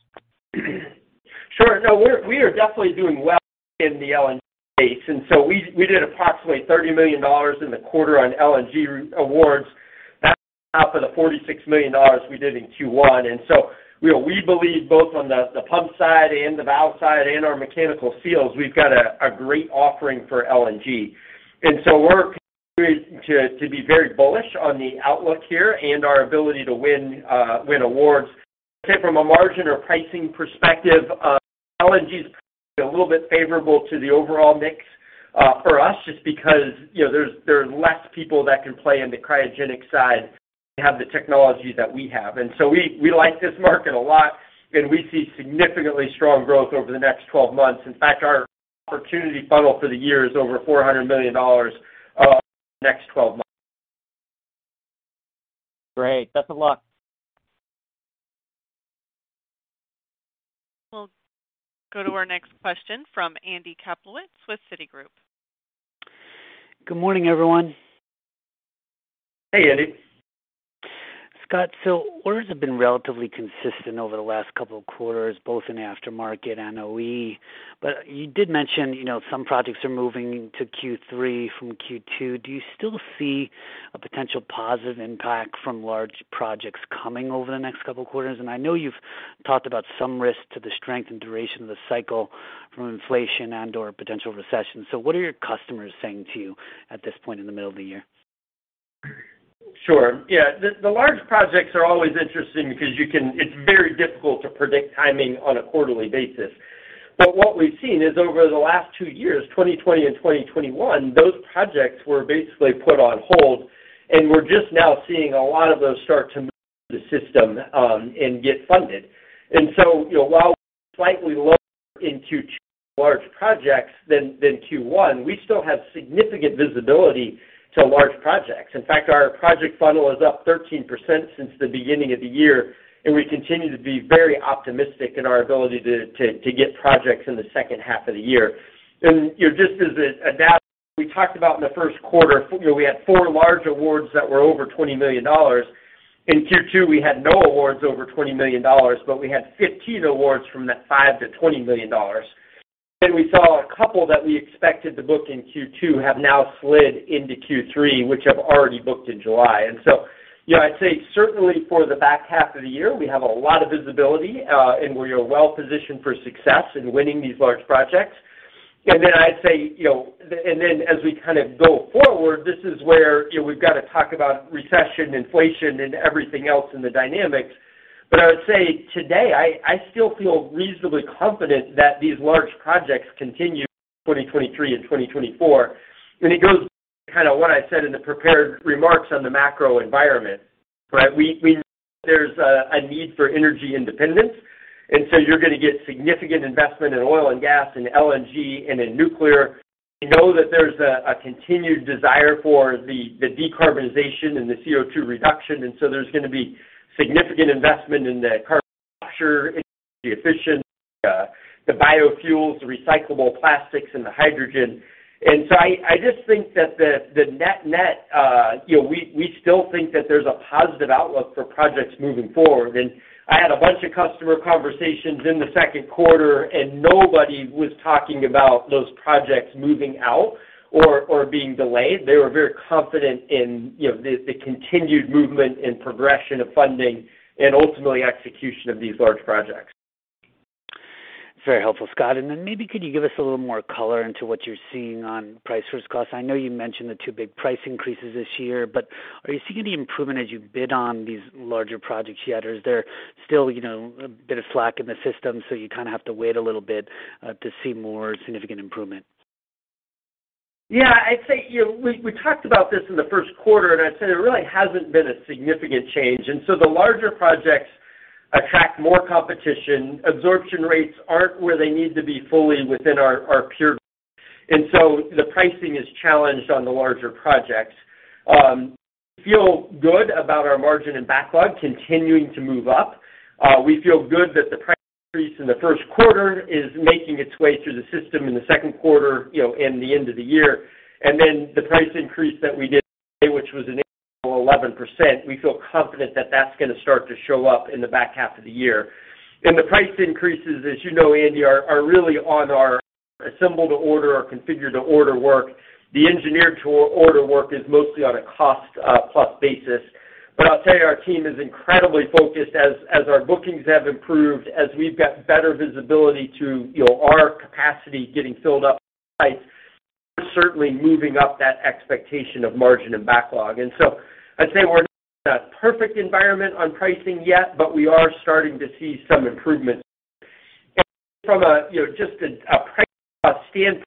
Sure. No, we are definitely doing well in the LNG space. We did approximately $30 million in the quarter on LNG awards. That's on top of the $46 million we did in Q1. You know, we believe both on the pump side and the valve side and our mechanical seals, we've got a great offering for LNG. We are very bullish on the outlook here and our ability to win awards. I'd say from a margin or pricing perspective, LNG is probably a little bit favorable to the overall mix for us, just because, you know, there's less people that can play in the cryogenic side, and they have the technology that we have. We like this market a lot, and we see significantly strong growth over the next twelve months. In fact, our opportunity funnel for the year is over $400 million over the next 12 months. Great. Best of luck. We'll go to our next question from Andy Kaplowitz with Citigroup. Good morning, everyone. Hey, Andy. Scott, orders have been relatively consistent over the last couple of quarters, both in aftermarket and OE. You did mention, you know, some projects are moving to Q3 from Q2. Do you still see a potential positive impact from large projects coming over the next couple of quarters? I know you've talked about some risk to the strength and duration of the cycle from inflation and/or potential recession. What are your customers saying to you at this point in the middle of the year? Sure. Yeah. The large projects are always interesting because it's very difficult to predict timing on a quarterly basis. What we've seen is over the last two years, 2020 and 2021, those projects were basically put on hold, and we're just now seeing a lot of those start to move through the system, and get funded. You know, while we were slightly lower in Q2 on large projects than Q1, we still have significant visibility to large projects. In fact, our project funnel is up 13% since the beginning of the year, and we continue to be very optimistic in our ability to get projects in the second half of the year. You know, just as a data point, we talked about in the first quarter. You know, we had 4 large awards that were over $20 million. In Q2, we had no awards over $20 million, but we had 15 awards from that $5 million-$20 million. We saw a couple that we expected to book in Q2 have now slid into Q3, which have already booked in July. You know, I'd say certainly for the back half of the year, we have a lot of visibility, and we are well-positioned for success in winning these large projects. I'd say, you know, and then as we kind of go forward, this is where, you know, we've got to talk about recession, inflation, and everything else in the dynamics. I would say today, I still feel reasonably confident that these large projects continue through 2023 and 2024. It goes back to kind of what I said in the prepared remarks on the macro environment, right? We know there's a need for energy independence, and so you're gonna get significant investment in oil and gas and LNG and in nuclear. We know that there's a continued desire for the decarbonization and the CO2 reduction, and so there's gonna be significant investment in the carbon capture, energy efficiency, the biofuels, the recyclable plastics, and the hydrogen. I just think that the net-net, you know, we still think that there's a positive outlook for projects moving forward. I had a bunch of customer conversations in the second quarter, and nobody was talking about those projects moving out or being delayed. They were very confident in, you know, the continued movement and progression of funding and ultimately execution of these large projects. Very helpful, Scott. Then maybe could you give us a little more color into what you're seeing on price versus cost? I know you mentioned the two big price increases this year, but are you seeing any improvement as you bid on these larger projects yet? Is there still, you know, a bit of slack in the system, so you kind of have to wait a little bit to see more significant improvement? Yeah. I'd say, you know, we talked about this in the first quarter, and I said it really hasn't been a significant change. The larger projects attract more competition. Absorption rates aren't where they need to be fully within our peer group. The pricing is challenged on the larger projects. We feel good about our margin and backlog continuing to move up. We feel good that the price increase in the first quarter is making its way through the system in the second quarter, you know, and the end of the year. The price increase that we did in May, which was an incremental 11%, we feel confident that that's gonna start to show up in the back half of the year. The price increases, as you know, Andy, are really on our assemble-to-order or configure-to-order work. The engineer-to-order work is mostly on a cost plus basis. I'll tell you, our team is incredibly focused as our bookings have improved, as we've got better visibility to, you know, our capacity getting filled up with pipes. We're certainly moving up that expectation of margin and backlog. I'd say we're not in a perfect environment on pricing yet, but we are starting to see some improvement there. From a, you know, just a price cost standpoint,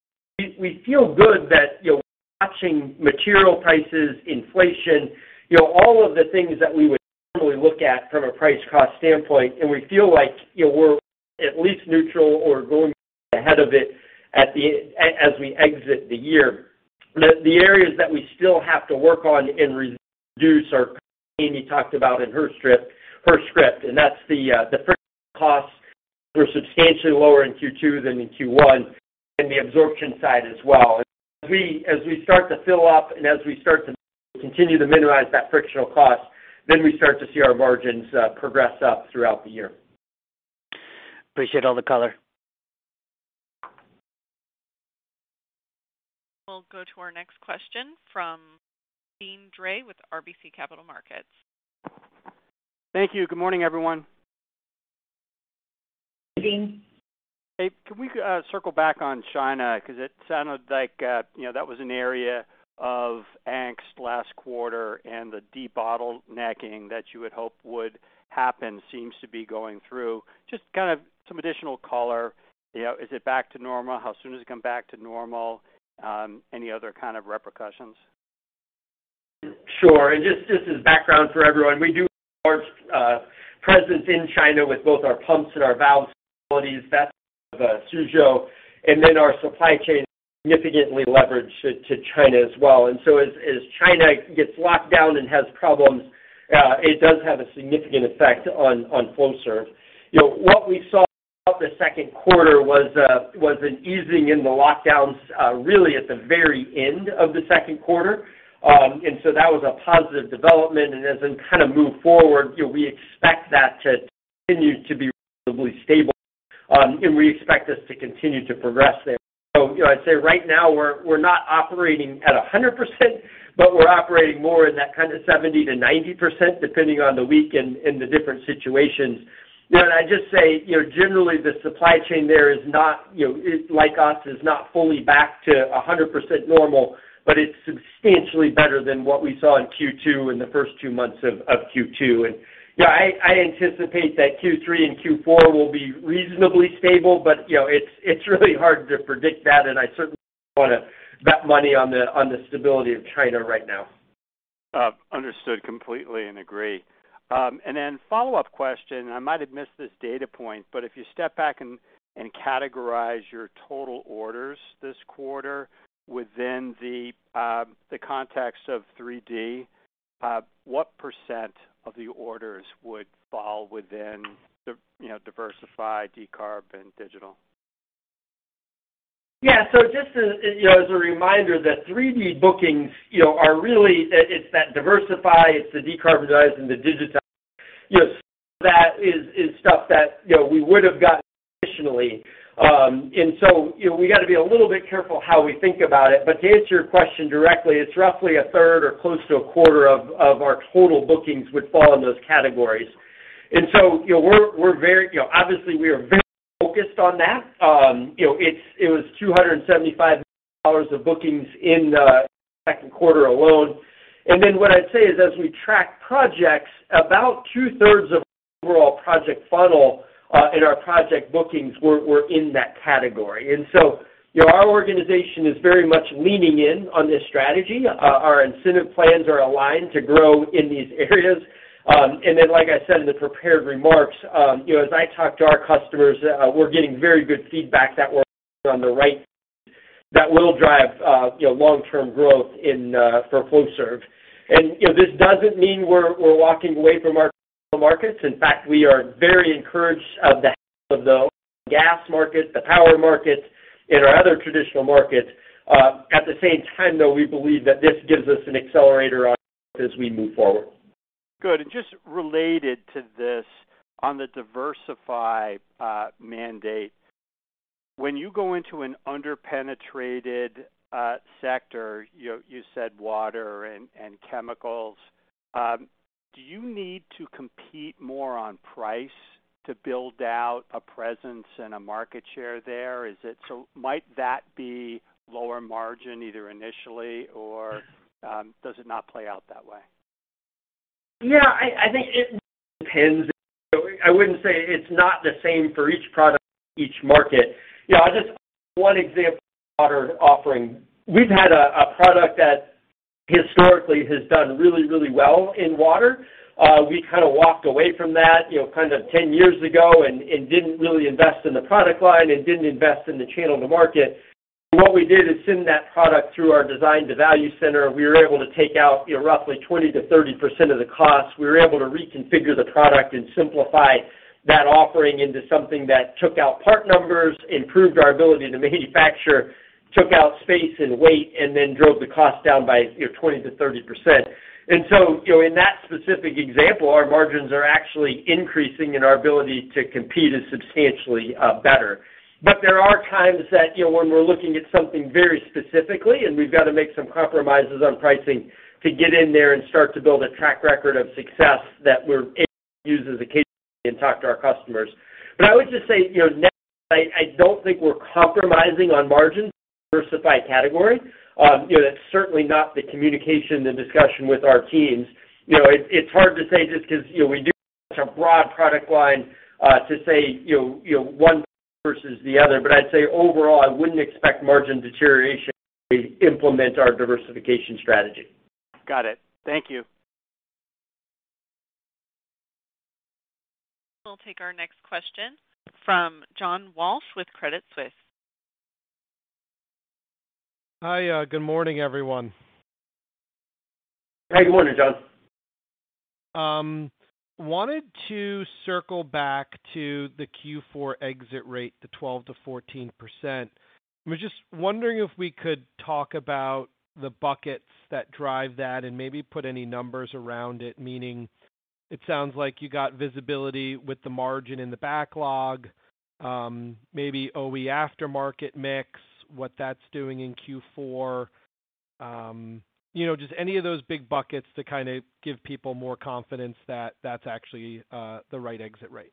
we feel good that, you know, we're watching material prices, inflation, you know, all of the things that we would normally look at from a price cost standpoint, and we feel like, you know, we're at least neutral or going slightly ahead of it as we exit the year. The areas that we still have to work on and reduce are pricing Amy talked about in her script, and that's the frictional costs. Those were substantially lower in Q2 than in Q1, and the absorption side as well. As we start to fill up and as we start to continue to minimize that frictional cost, then we start to see our margins progress up throughout the year. Appreciate all the color. We'll go to our next question from Deane Dray with RBC Capital Markets. Thank you. Good morning, everyone. Deane. Hey, can we circle back on China? Because it sounded like, you know, that was an area of angst last quarter, and the debottlenecking that you would hope would happen seems to be going through. Just kind of some additional color, you know. Is it back to normal? How soon does it come back to normal? Any other kind of repercussions? Sure. Just as background for everyone, we do have a large presence in China with both our pumps and our valve capabilities. That's out of Suzhou. Our supply chain is significantly leveraged to China as well. As China gets locked down and has problems, it does have a significant effect on Flowserve. You know, what we saw throughout the second quarter was an easing in the lockdowns, really at the very end of the second quarter. That was a positive development. As we kind of move forward, you know, we expect that to continue to be relatively stable. We expect this to continue to progress there. You know, I'd say right now we're not operating at 100%, but we're operating more in that kind of 70%-90%, depending on the week and the different situations. You know, I'd just say, you know, generally the supply chain there is not, you know, it, like us, is not fully back to 100% normal, but it's substantially better than what we saw in Q2, in the first two months of Q2. You know, I anticipate that Q3 and Q4 will be reasonably stable, but, you know, it's really hard to predict that, and I certainly wouldn't want to bet money on the stability of China right now. Understood completely and agree. Follow-up question, and I might have missed this data point, but if you step back and categorize your total orders this quarter within the context of 3D, what % of the orders would fall within the diversify, decarb, and digital? Yeah. Just as, you know, as a reminder, the 3D bookings, you know, are really it's that Diversify, it's the Decarbonize and the Digitize. You know, some of that is stuff that, you know, we would have gotten additionally. We gotta be a little bit careful how we think about it. But to answer your question directly, it's roughly a third or close to a quarter of our total bookings would fall in those categories. You know, we're very, you know, obviously we are very focused on that. You know, it was $275 million of bookings in the second quarter alone. And then what I'd say is, as we track projects, about 2/3 of our overall project funnel in our project bookings were in that category. You know, our organization is very much leaning in on this strategy. Our incentive plans are aligned to grow in these areas. Like I said in the prepared remarks, you know, as I talk to our customers, we're getting very good feedback that we're on the right path that will drive, you know, long-term growth in for Flowserve. You know, this doesn't mean we're walking away from our traditional markets. In fact, we are very encouraged of the health of the oil and gas market, the power market, and our other traditional markets. At the same time, though, we believe that this gives us an accelerator on growth as we move forward. Good. Just related to this, on the diversification mandate, when you go into an under-penetrated sector, you said water and chemicals, do you need to compete more on price to build out a presence and a market share there? Might that be lower margin either initially or does it not play out that way? Yeah, I think it depends. You know, I wouldn't say it's not the same for each product and each market. You know, I'll just one example in the water offering. We've had a product that historically has done really well in water. We kind of walked away from that, you know, kind of 10 years ago and didn't really invest in the product line and didn't invest in the channel to market. What we did is send that product through our design-to-value center. We were able to take out, you know, roughly 20%-30% of the cost. We were able to reconfigure the product and simplify that offering into something that took out part numbers, improved our ability to manufacture, took out space and weight, and then drove the cost down by, you know, 20%-30%. You know, in that specific example, our margins are actually increasing and our ability to compete is substantially better. There are times that, you know, when we're looking at something very specifically, and we've got to make some compromises on pricing to get in there and start to build a track record of success that we're able to use as a case study and talk to our customers. I would just say, you know, net net, I don't think we're compromising on margin in the diversified category. You know, that's certainly not the communication and discussion with our teams. You know, it's hard to say just 'cause, you know, we do have such a broad product line to say, you know, one versus the other. I'd say overall, I wouldn't expect margin deterioration as we implement our diversification strategy. Got it. Thank you. We'll take our next question from John Walsh with Credit Suisse. Hi. Good morning, everyone. Hey, good morning, John. Wanted to circle back to the Q4 exit rate, the 12%-14%. I was just wondering if we could talk about the buckets that drive that and maybe put any numbers around it, meaning it sounds like you got visibility with the margin in the backlog, maybe OE aftermarket mix, what that's doing in Q4. You know, just any of those big buckets to kind of give people more confidence that that's actually the right exit rate.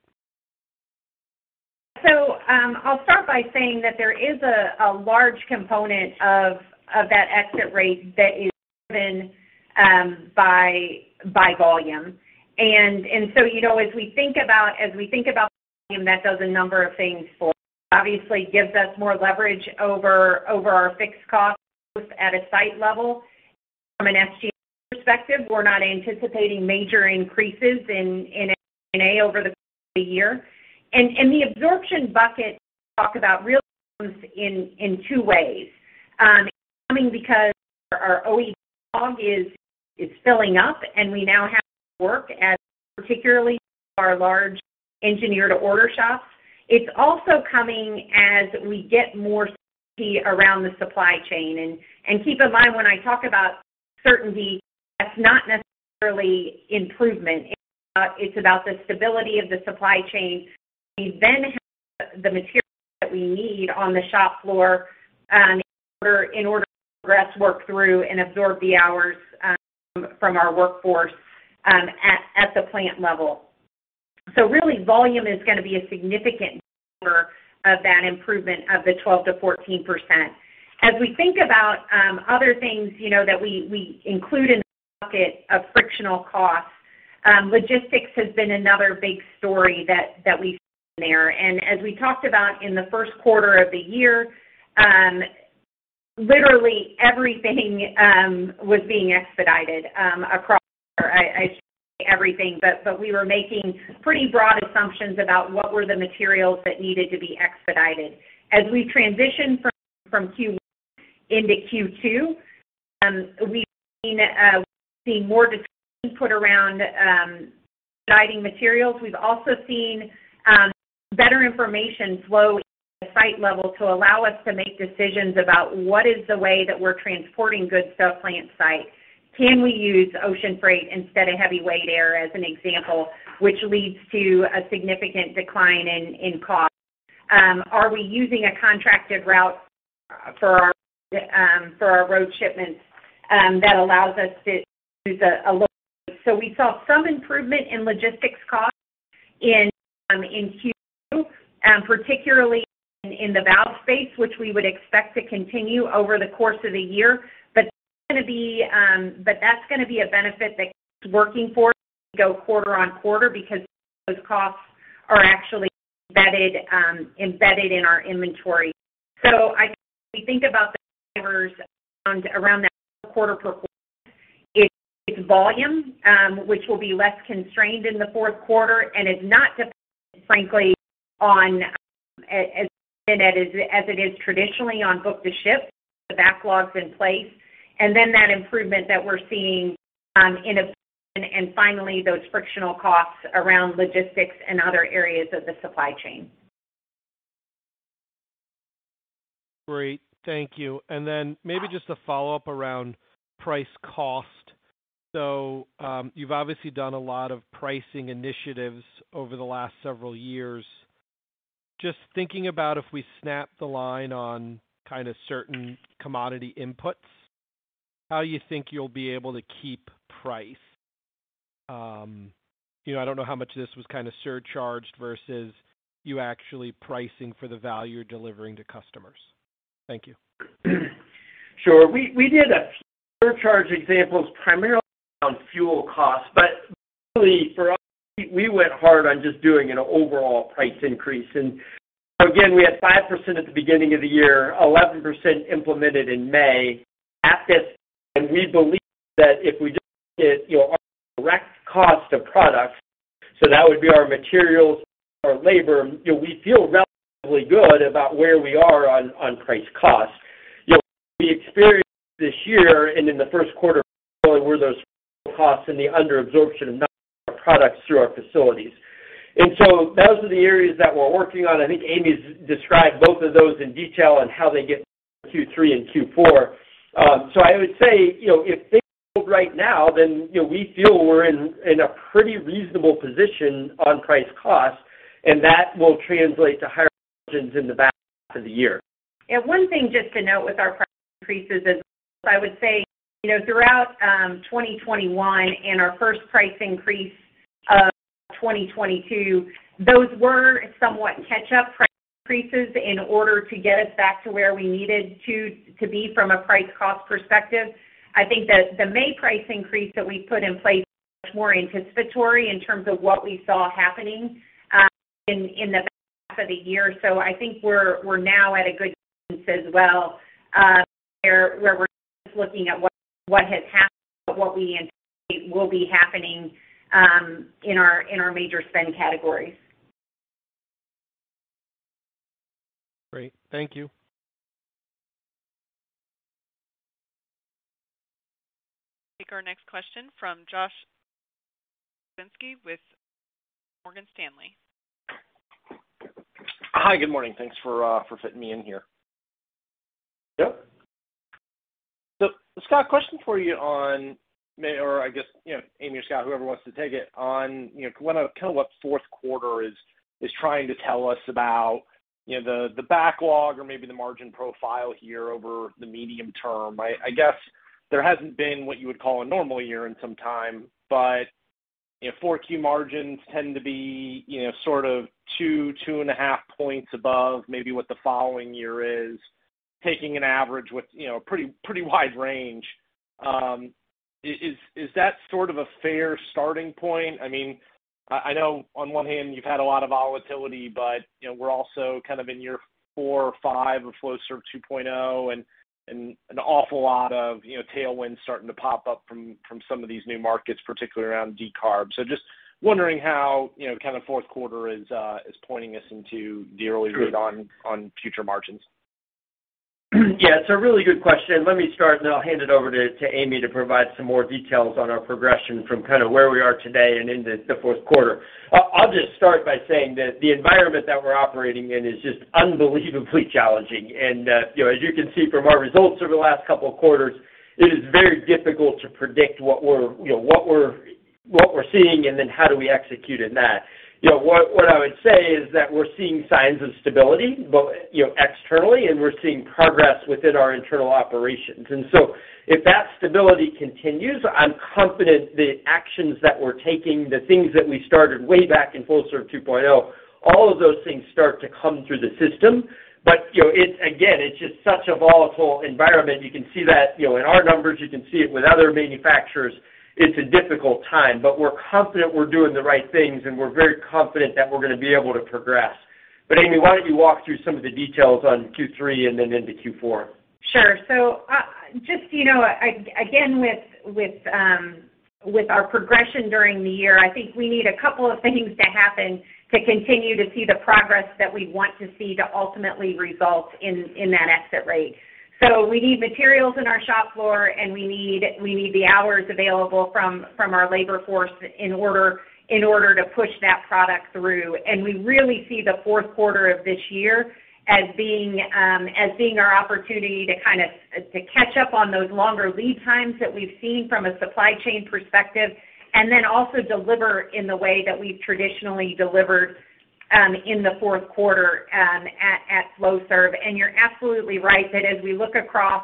I'll start by saying that there is a large component of that exit rate that is driven by volume. You know, as we think about volume, that does a number of things for us. Obviously, it gives us more leverage over our fixed costs at a site level. From an SG&A perspective, we're not anticipating major increases in SG&A over the course of the year. The absorption bucket we talk about really comes in two ways. It's coming because our OE fog is filling up, and we now have work, as particularly our large engineer-to-order shops. It's also coming as we get more certainty around the supply chain. Keep in mind when I talk about certainty, that's not necessarily improvement. It's about the stability of the supply chain. We then have the materials that we need on the shop floor, in order to progress work through and absorb the hours from our workforce at the plant level. Really volume is gonna be a significant driver of that improvement of the 12%-14%. As we think about other things, you know, that we include in the bucket of frictional costs, logistics has been another big story that we've seen there. As we talked about in the first quarter of the year, literally everything was being expedited across the board. I shouldn't say everything, but we were making pretty broad assumptions about what were the materials that needed to be expedited. As we transition from Q1 into Q2, we've seen more discipline put around expediting materials. We've also seen better information flow into the site level to allow us to make decisions about what is the way that we're transporting goods to a plant site. Can we use ocean freight instead of heavyweight air, as an example, which leads to a significant decline in cost? Are we using a contracted route for our road shipments that allows us to use a lower rate? We saw some improvement in logistics costs in Q2, particularly in the valve space, which we would expect to continue over the course of the year. That's gonna be a benefit that keeps working for us as we go quarter-over-quarter because those costs are actually embedded in our inventory. I think as we think about the drivers around that quarter-over-quarter, it's volume which will be less constrained in the fourth quarter and is not dependent, frankly, on, as we've seen it, as it is traditionally, on book-to-ship with the backlogs in place. Then that improvement that we're seeing in absorption, and finally, those frictional costs around logistics and other areas of the supply chain. Great. Thank you. Maybe just a follow-up around price cost. You've obviously done a lot of pricing initiatives over the last several years. Just thinking about if we snap the line on kind of certain commodity inputs, how you think you'll be able to keep price. You know, I don't know how much of this was kind of surcharged versus you actually pricing for the value you're delivering to customers. Thank you. Sure. We did a few surcharge examples primarily around fuel costs, but really for us, we went hard on just doing an overall price increase. We had 5% at the beginning of the year, 11% implemented in May. At this point, we believe that if we just look at, you know, our direct cost of products, so that would be our materials, our labor, you know, we feel relatively good about where we are on price cost. You know, what we experienced this year and in the first quarter particularly were those fuel costs and the underabsorption of not all of our products through our facilities. Those are the areas that we're working on. I think Amy's described both of those in detail on how they get through Q3 and Q4. I would say, you know, if things hold right now, then, you know, we feel we're in a pretty reasonable position on price cost, and that will translate to higher margins in the back half of the year. One thing just to note with our price increases is I would say, you know, throughout 2021 and our first price increase of 2022, those were somewhat catch-up price increases in order to get us back to where we needed to be from a price cost perspective. I think that the May price increase that we put in place was much more anticipatory in terms of what we saw happening in the back half of the year. I think we're now at a good place as well, where we're not just looking at what has happened, but what we anticipate will be happening in our major spend categories. Great. Thank you. Take our next question from Josh Pokrzywinski with Morgan Stanley. Hi. Good morning. Thanks for fitting me in here. Yep. Scott, question for you or I guess, you know, Amy or Scott, whoever wants to take it, on, you know, kind of what fourth quarter is trying to tell us about, you know, the backlog or maybe the margin profile here over the medium term. I guess there hasn't been what you would call a normal year in some time, but, you know, Q4 margins tend to be, you know, sort of 2-2.5 points above maybe what the following year is, taking an average with, you know, pretty wide range. Is that sort of a fair starting point? I mean, I know on one hand you've had a lot of volatility, but, you know, we're also kind of in year four or five of Flowserve 2.0 and an awful lot of, you know, tailwinds starting to pop up from some of these new markets, particularly around decarb. So just wondering how, you know, kind of fourth quarter is pointing us into the early read on future margins. Yeah, it's a really good question. Let me start, and then I'll hand it over to Amy to provide some more details on our progression from kind of where we are today and into the fourth quarter. I'll just start by saying that the environment that we're operating in is just unbelievably challenging. You know, as you can see from our results over the last couple of quarters, it is very difficult to predict what we're, you know, seeing and then how do we execute in that. You know, what I would say is that we're seeing signs of stability, but, you know, externally, and we're seeing progress within our internal operations. If that stability continues, I'm confident the actions that we're taking, the things that we started way back in Flowserve 2.0, all of those things start to come through the system. You know, it's again, it's just such a volatile environment. You can see that, you know, in our numbers. You can see it with other manufacturers. It's a difficult time, but we're confident we're doing the right things, and we're very confident that we're gonna be able to progress. Amy, why don't you walk through some of the details on Q3 and then into Q4? Sure. Just, you know, again, with our progression during the year, I think we need a couple of things to happen to continue to see the progress that we want to see to ultimately result in that exit rate. We need materials in our shop floor, and we need the hours available from our labor force in order to push that product through. We really see the fourth quarter of this year as being our opportunity to kind of catch up on those longer lead times that we've seen from a supply chain perspective, and then also deliver in the way that we've traditionally delivered in the fourth quarter at Flowserve. You're absolutely right that as we look across,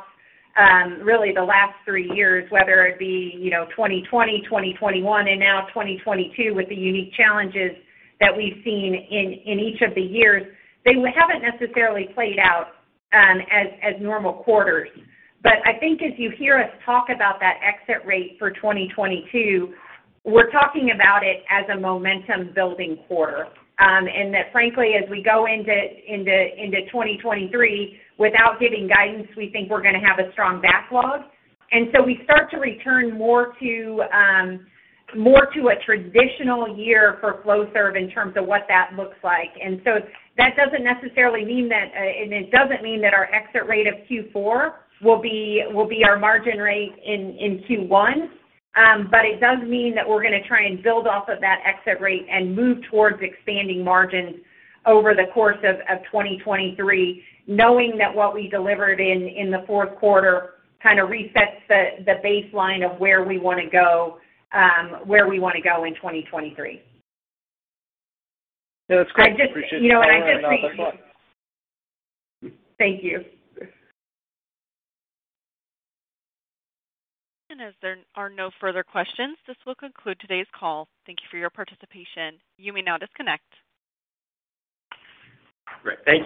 really the last three years, whether it be, you know, 2020, 2021, and now 2022, with the unique challenges that we've seen in each of the years, they haven't necessarily played out as normal quarters. But I think as you hear us talk about that exit rate for 2022, we're talking about it as a momentum building quarter. That frankly, as we go into 2023, without giving guidance, we think we're gonna have a strong backlog. We start to return more to a traditional year for Flowserve in terms of what that looks like. That doesn't necessarily mean that it doesn't mean that our exit rate of Q4 will be our margin rate in Q1. It does mean that we're gonna try and build off of that exit rate and move towards expanding margins over the course of 2023, knowing that what we delivered in the fourth quarter kinda resets the baseline of where we wanna go, where we wanna go in 2023. No, it's great. I just- Appreciate it. You know what? I just think. All the follow-up. Thank you. As there are no further questions, this will conclude today's call. Thank you for your participation. You may now disconnect. Great. Thank you.